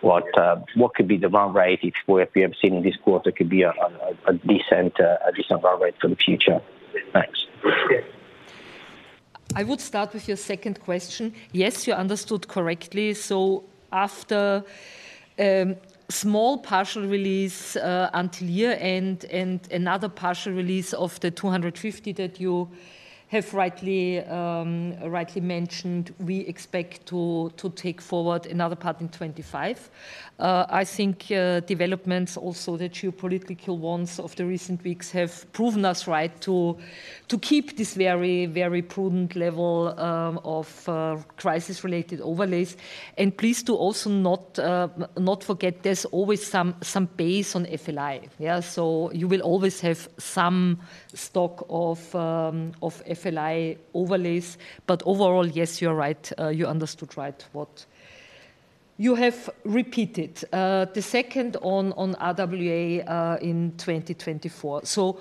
what could be the run rate if what we have seen this quarter could be a decent run rate for the future? Thanks. I would start with your second question. Yes, you understood correctly. So after small partial release until year-end and another partial release of the 250 that you have rightly mentioned, we expect to take forward another part in 2025. I think developments, also the geopolitical ones of the recent weeks, have proven us right to keep this very prudent level of crisis-related overlays. And please also not forget, there's always some base on FLI. So you will always have some stock of FLI overlays. But overall, yes, you're right. You understood right what you have repeated. The second on RWA in 2024. So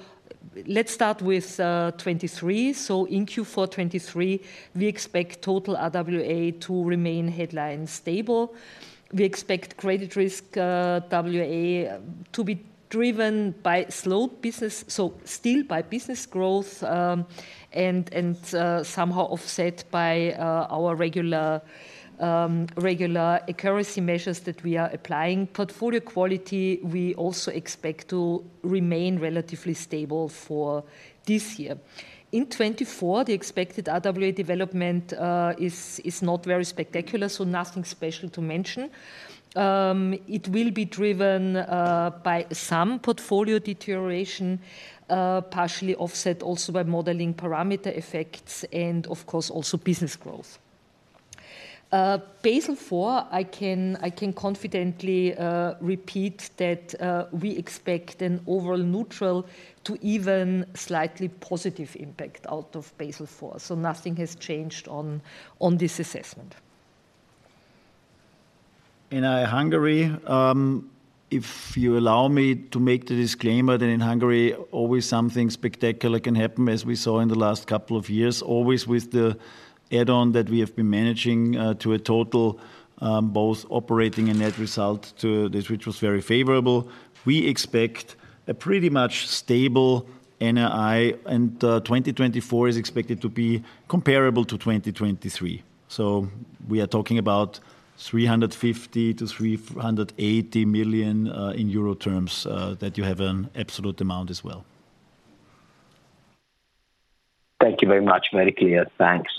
let's start with 2023. So in Q4 2023, we expect total RWA to remain headline stable. We expect credit risk RWA to be driven by slow business, so still by business growth, and somehow offset by our regular accuracy measures that we are applying. Portfolio quality, we also expect to remain relatively stable for this year. In 2024, the expected RWA development is not very spectacular, so nothing special to mention. It will be driven by some portfolio deterioration, partially offset also by modeling parameter effects and of course, also business growth. Basel IV, I can confidently repeat that we expect an overall neutral to even slightly positive impact out of Basel IV, so nothing has changed on this assessment. In Hungary, if you allow me to make the disclaimer, that in Hungary, always something spectacular can happen, as we saw in the last couple of years, always with the add-on that we have been managing to a total, both operating and net result to this, which was very favorable. We expect a pretty much stable NI, and 2024 is expected to be comparable to 2023. So we are talking about 350-380 million in euro terms, that you have an absolute amount as well. Thank you very much. Very clear. Thanks.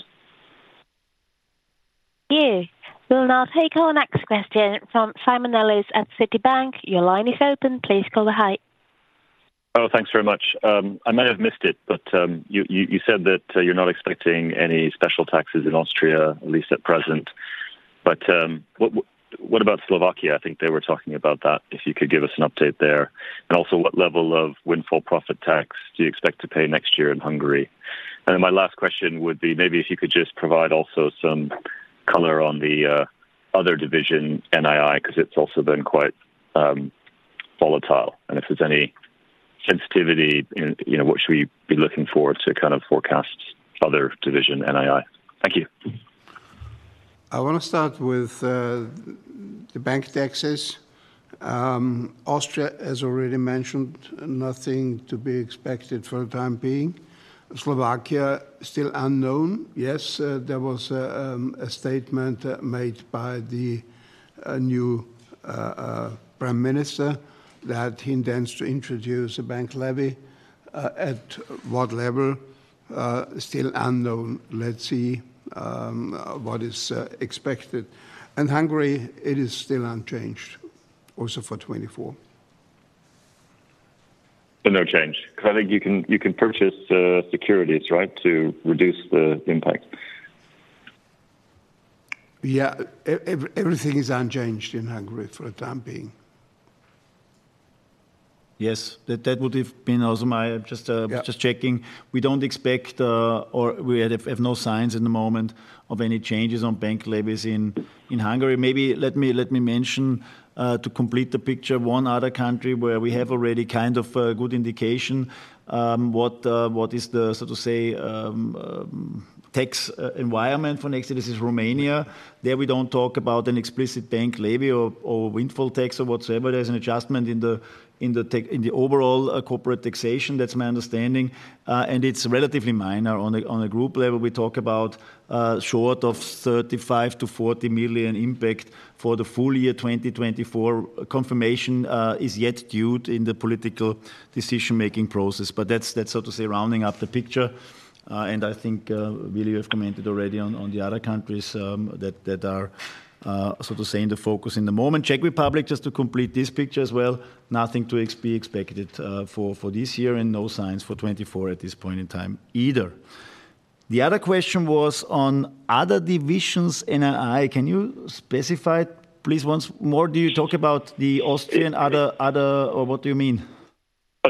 Thank you. We'll now take our next question from Simon Nellis at Citibank. Your line is open. Please go ahead. Oh, thanks very much. I might have missed it, but you said that you're not expecting any special taxes in Austria, at least at present. But what about Slovakia? I think they were talking about that, if you could give us an update there. And also, what level of windfall profit tax do you expect to pay next year in Hungary? And then my last question would be, maybe if you could just provide also some color on the other division, NI, 'cause it's also been quite volatile. And if there's any sensitivity in, you know, what should we be looking for to kind of forecast other division NI? Thank you. I want to start with the bank taxes. Austria, as already mentioned, nothing to be expected for the time being. Slovakia, still unknown. Yes, there was a statement made by the new prime minister that he intends to introduce a bank levy, at what level? Still unknown. Let's see what is expected. And Hungary, it is still unchanged also for 2024. No change, 'cause I think you can, you can purchase securities, right, to reduce the impact? Yeah. Everything is unchanged in Hungary for the time being. ... Yes, that, that would have been also my just, Yeah Just checking. We don't expect, or we have no signs in the moment of any changes on bank levies in Hungary. Maybe let me mention to complete the picture, one other country where we have already kind of a good indication what is the, so to say, tax environment for next year. This is Romania. There we don't talk about an explicit bank levy or windfall tax or whatsoever. There's an adjustment in the in the overall corporate taxation. That's my understanding. And it's relatively minor. On a group level, we talk about short of 35-40 million impact for the full year 2024. Confirmation is yet due in the political decision-making process, but that's so to say, rounding up the picture. I think, Willi, you have commented already on the other countries that are so to say in the focus in the moment. Czech Republic, just to complete this picture as well, nothing to be expected for this year and no signs for 2024 at this point in time either. The other question was on other divisions in NI. Can you specify please, once more? Do you talk about the Austrian other, or what do you mean?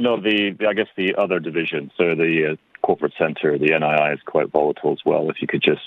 No, I guess, the other divisions. So the corporate center, the NI is quite volatile as well. If you could just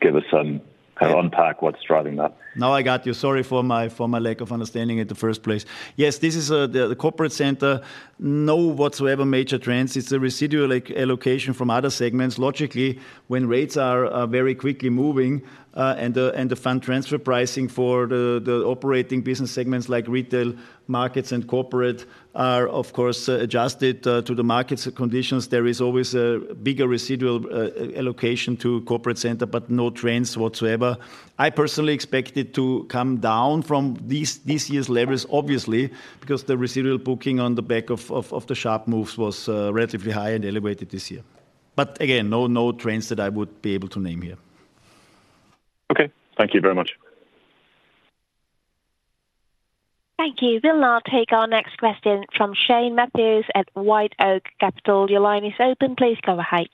give us some... kind of unpack what's driving that. Now I got you. Sorry for my, for my lack of understanding in the first place. Yes, this is the corporate center. No whatsoever major trends. It's a residual allocation from other segments. Logically, when rates are very quickly moving and the fund transfer pricing for the operating business segments like retail, markets, and corporate are, of course, adjusted to the markets conditions. There is always a bigger residual allocation to corporate center, but no trends whatsoever. I personally expect it to come down from these, this year's levels, obviously, because the residual booking on the back of the sharp moves was relatively high and elevated this year. But again, no trends that I would be able to name here. Okay. Thank you very much. Thank you. We'll now take our next question from Shane Matthews at White Oak Capital. Your line is open. Please go ahead.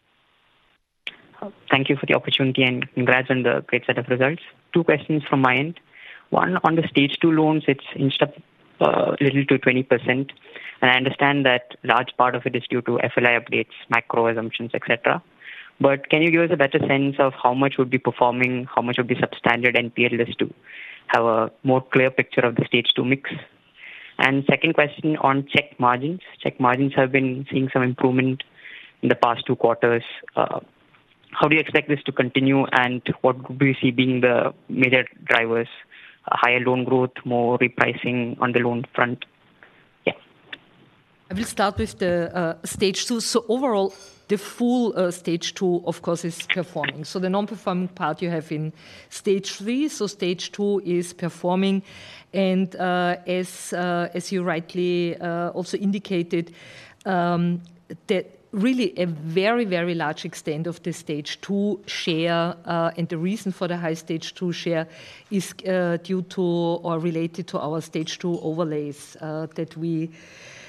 Thank you for the opportunity, and congrats on the great set of results. Two questions from my end. One, on the Stage 2 loans, it's inched up, little to 20%, and I understand that large part of it is due to FLI updates, macro assumptions, et cetera. But can you give us a better sense of how much would be performing, how much would be substandard and perhaps to have a more clear picture of the Stage 2 mix? And second question on Czech margins. Czech margins have been seeing some improvement in the past two quarters. How do you expect this to continue, and what do you see being the major drivers? Higher loan growth, more repricing on the loan front? Yeah. I will start with the Stage 2. So overall, the full stage two, of course, is performing. So the non-performing part you have in Stage 3, so Stage 2 is performing. And, as, as you rightly also indicated, that really a very, very large extent of the Stage 2 share, and the reason for the high Stage 2 share is due to or related to our stage two overlays, that we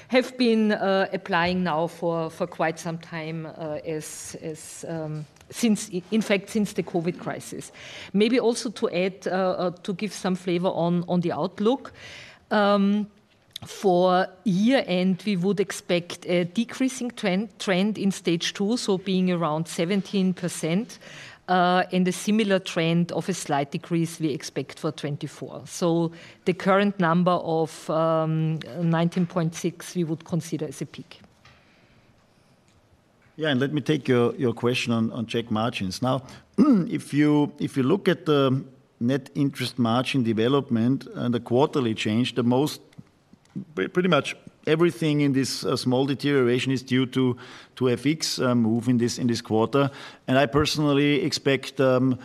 have been applying now for, for quite some time, as, as, since—in fact, since the COVID crisis. Maybe also to add to give some flavor on, on the outlook. For year-end, we would expect a decreasing trend, trend in stage two, so being around 17%, and a similar trend of a slight decrease we expect for 2024. So the current number of 19.6, we would consider as a peak. Yeah, and let me take your question on Czech margins. Now, if you look at the net interest margin development and the quarterly change, the most, pretty much everything in this small deterioration is due to a fixed move in this quarter. I personally expect the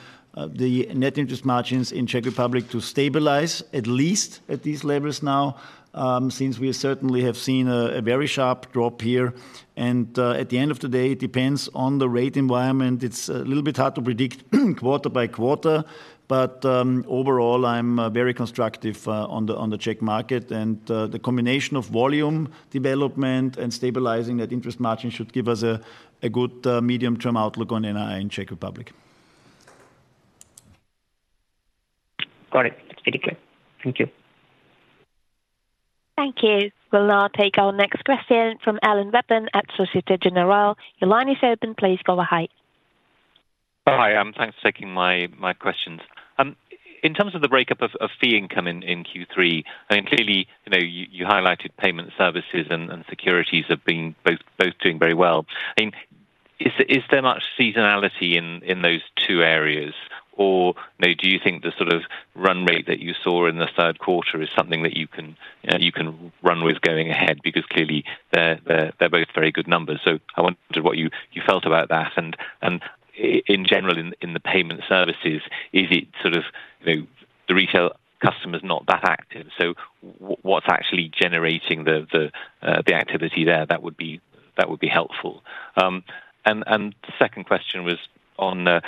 net interest margins in Czech Republic to stabilize at least at these levels now, since we certainly have seen a very sharp drop here. At the end of the day, it depends on the rate environment. It's a little bit hard to predict quarter by quarter, but overall, I'm very constructive on the Czech market. The combination of volume development, and stabilizing that interest margin should give us a good medium-term outlook on NI in Czech Republic. Got it. It's very clear. Thank you. Thank you. We'll now take our next question from Alan Webb at Société Générale. Your line is open. Please go ahead. Hi, thanks for taking my questions. In terms of the breakup of fee income in Q3, I mean, clearly, you know, you highlighted payment services and securities have been both doing very well. I mean, is there much seasonality in those two areas? Or maybe do you think the sort of run rate that you saw in the Q3 is something that you can run with going ahead? Because clearly, they're both very good numbers. So I wonder what you felt about that. And in general, in the payment services, is it sort of, you know, the retail customer is not that active, so what's actually generating the activity there? That would be helpful. The second question was on the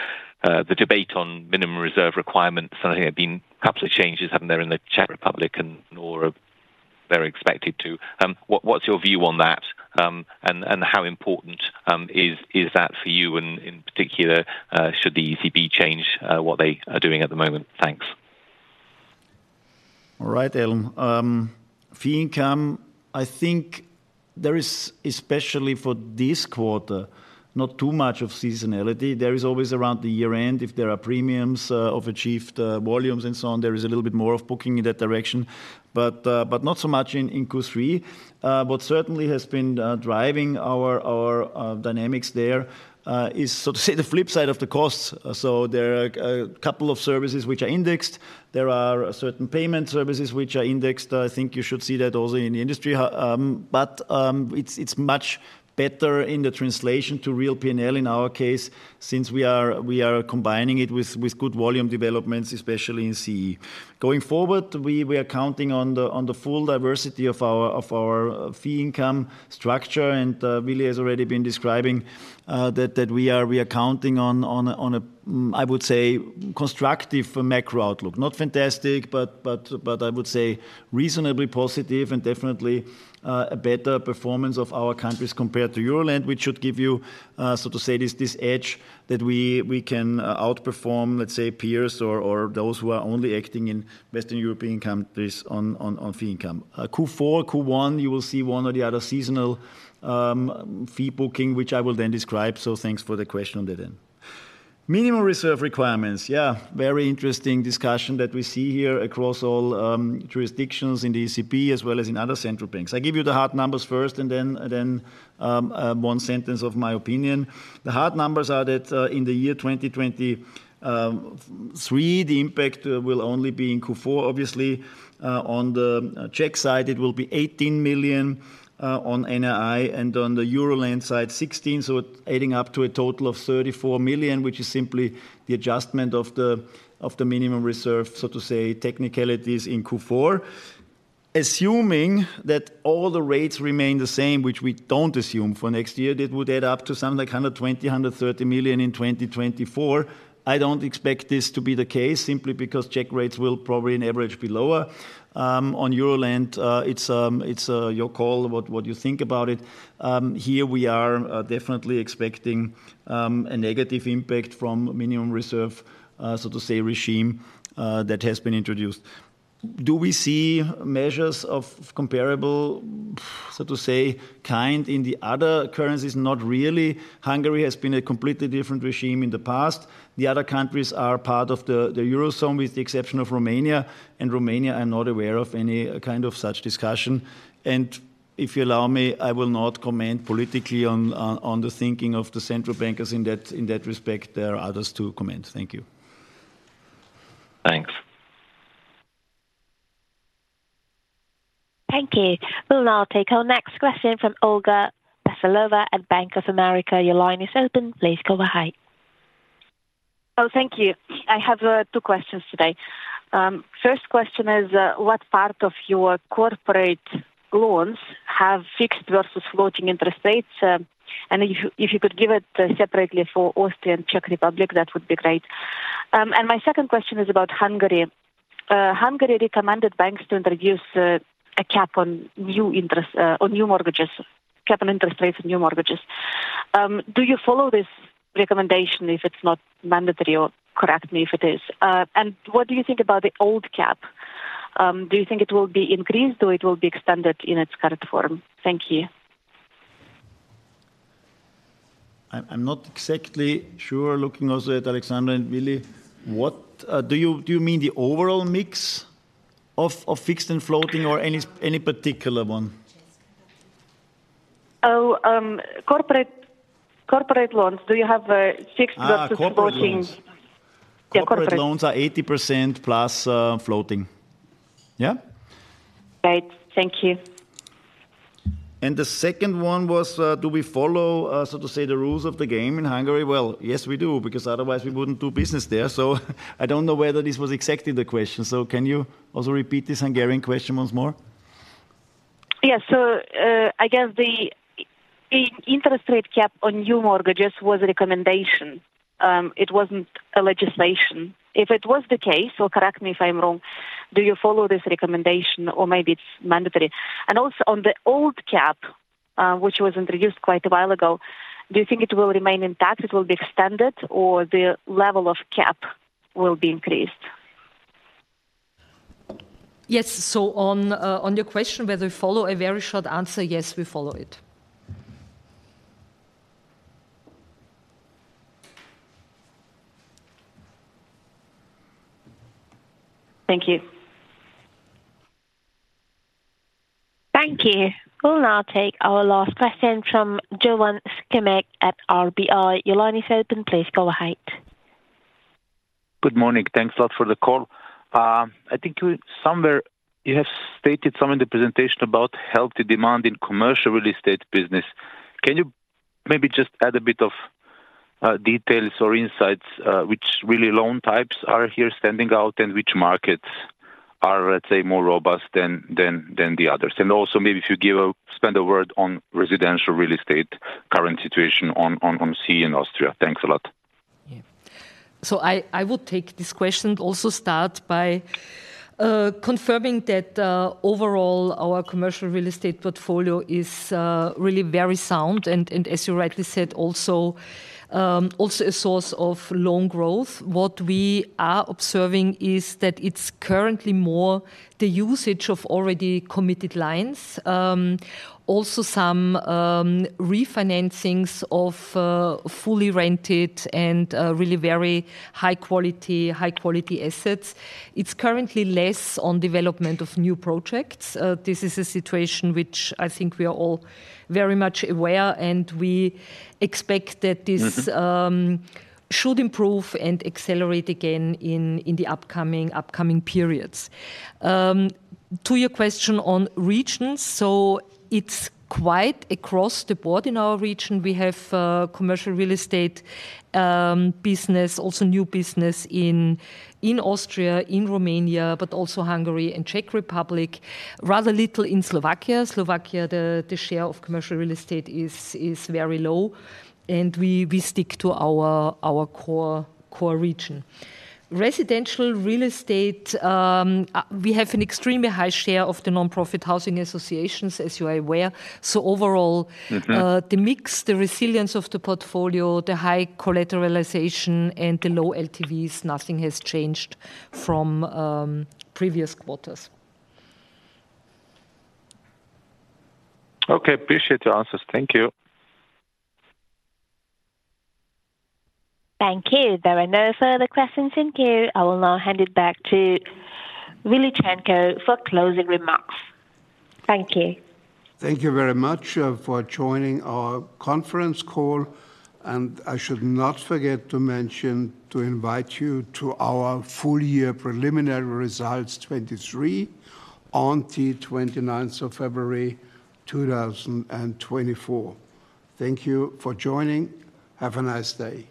debate on minimum reserve requirements. Something, a couple of changes happened there in the Czech Republic and, or they're expected to. What’s your view on that? How important is that for you, and in particular, should the ECB change what they are doing at the moment? Thanks.... All right, Alan. Fee income, I think there is, especially for this quarter, not too much of seasonality. There is always around the year-end, if there are premiums, of achieved, volumes and so on, there is a little bit more of booking in that direction, but, but not so much in, in Q3. What certainly has been, driving our, our, dynamics there, is, so to say, the flip side of the costs. So there are a couple of services which are indexed. There are certain payment services which are indexed. I think you should see that also in the industry. But, it's, it's much better in the translation to real P&L in our case, since we are, we are combining it with, with good volume developments, especially in CEE. Going forward, we are counting on the full diversity of our fee income structure. And Willi has already been describing that we are counting on a I would say constructive macro outlook. Not fantastic, but I would say reasonably positive and definitely a better performance of our countries compared to Euroland, which should give you so to say this edge that we can outperform, let's say, peers or those who are only acting in Western European countries on fee income. Q4, Q1, you will see one or the other seasonal fee booking, which I will then describe, so thanks for the question on that then. Minimum reserve requirements. Yeah, very interesting discussion that we see here across all jurisdictions in the ECB, as well as in other central banks. I give you the hard numbers first and then one sentence of my opinion. The hard numbers are that in the year 2023, the impact will only be in Q4, obviously. On the Czech side, it will be 18 million on NI, and on the Euroland side, 16 million. So adding up to a total of 34 million, which is simply the adjustment of the minimum reserve, so to say, technicalities in Q4. Assuming that all the rates remain the same, which we don't assume for next year, that would add up to something like 120-130 million in 2024. I don't expect this to be the case, simply because Czech rates will probably on average be lower. On Eurozone, it's your call what you think about it. Here we are definitely expecting a negative impact from minimum reserve, so to say, regime that has been introduced. Do we see measures of comparable, so to say, kind in the other currencies? Not really. Hungary has been a completely different regime in the past. The other countries are part of the Eurozone, with the exception of Romania, and Romania, I'm not aware of any kind of such discussion. And if you allow me, I will not comment politically on the thinking of the central bankers in that respect. There are others to comment. Thank you. Thanks. Thank you. We'll now take our next question from Olga Veselova at Bank of America. Your line is open. Please go ahead. Oh, thank you. I have two questions today. First question is, what part of your corporate loans have fixed versus floating interest rates? And if you, if you could give it separately for Austria and Czech Republic, that would be great. And my second question is about Hungary. Hungary recommended banks to introduce a cap on new interest on new mortgages, cap on interest rates on new mortgages. Do you follow this recommendation if it's not mandatory, or correct me if it is? And what do you think about the old cap? Do you think it will be increased, or it will be extended in its current form? Thank you. I'm not exactly sure, looking also at Alexandra and Willi. What do you mean the overall mix of fixed and floating or any particular one? Oh, corporate, corporate loans. Do you have fixed versus floating? Ah, corporate loans. Yeah, corporate. Corporate loans are 80%+, floating. Yeah? Great, thank you. The second one was, do we follow, so to say, the rules of the game in Hungary? Well, yes, we do, because otherwise we wouldn't do business there. I don't know whether this was exactly the question. Can you also repeat this Hungarian question once more? Yes. So, I guess the interest rate cap on new mortgages was a recommendation, it wasn't a legislation. If it was the case, or correct me if I'm wrong, do you follow this recommendation, or maybe it's mandatory? And also, on the old cap, which was introduced quite a while ago, do you think it will remain intact, it will be extended, or the level of cap will be increased? Yes. So on, on your question, whether we follow, a very short answer, yes, we follow it. Thank you. Thank you. We'll now take our last question from Jovan Sikimic at RBI. Your line is open. Please go ahead. Good morning. Thanks a lot for the call. I think you somewhere, you have stated somewhere in the presentation about healthy demand in commercial real estate business. Can you maybe just add a bit of details or insights, which really loan types are here standing out, and which markets are, let's say, more robust than the others? And also maybe if you give a, spend a word on residential real estate current situation on CEE in Austria. Thanks a lot. So I will take this question. Also start by confirming that overall, our commercial real estate portfolio is really very sound, and as you rightly said, also also a source of loan growth. What we are observing is that it's currently more the usage of already committed lines. Also some refinancings of fully rented and really very high quality, high quality assets. It's currently less on development of new projects. This is a situation which I think we are all very much aware, and we expect that this- Mm-hmm... should improve and accelerate again in the upcoming periods. To your question on regions, so it's quite across the board in our region. We have commercial real estate business, also new business in Austria, in Romania, but also Hungary and Czech Republic. Rather little in Slovakia. Slovakia, the share of commercial real estate is very low, and we stick to our core region. Residential real estate, we have an extremely high share of the nonprofit housing associations, as you are aware. So overall- Mm-hmm... the mix, the resilience of the portfolio, the high collateralization, and the low LTVs, nothing has changed from previous quarters. Okay. Appreciate your answers. Thank you. Thank you. There are no further questions in queue. I will now hand it back to Willi Cernko for closing remarks. Thank you. Thank you very much, for joining our conference call, and I should not forget to mention, to invite you to our full year preliminary results 2023 on the 29 February, 2024. Thank you for joining. Have a nice day.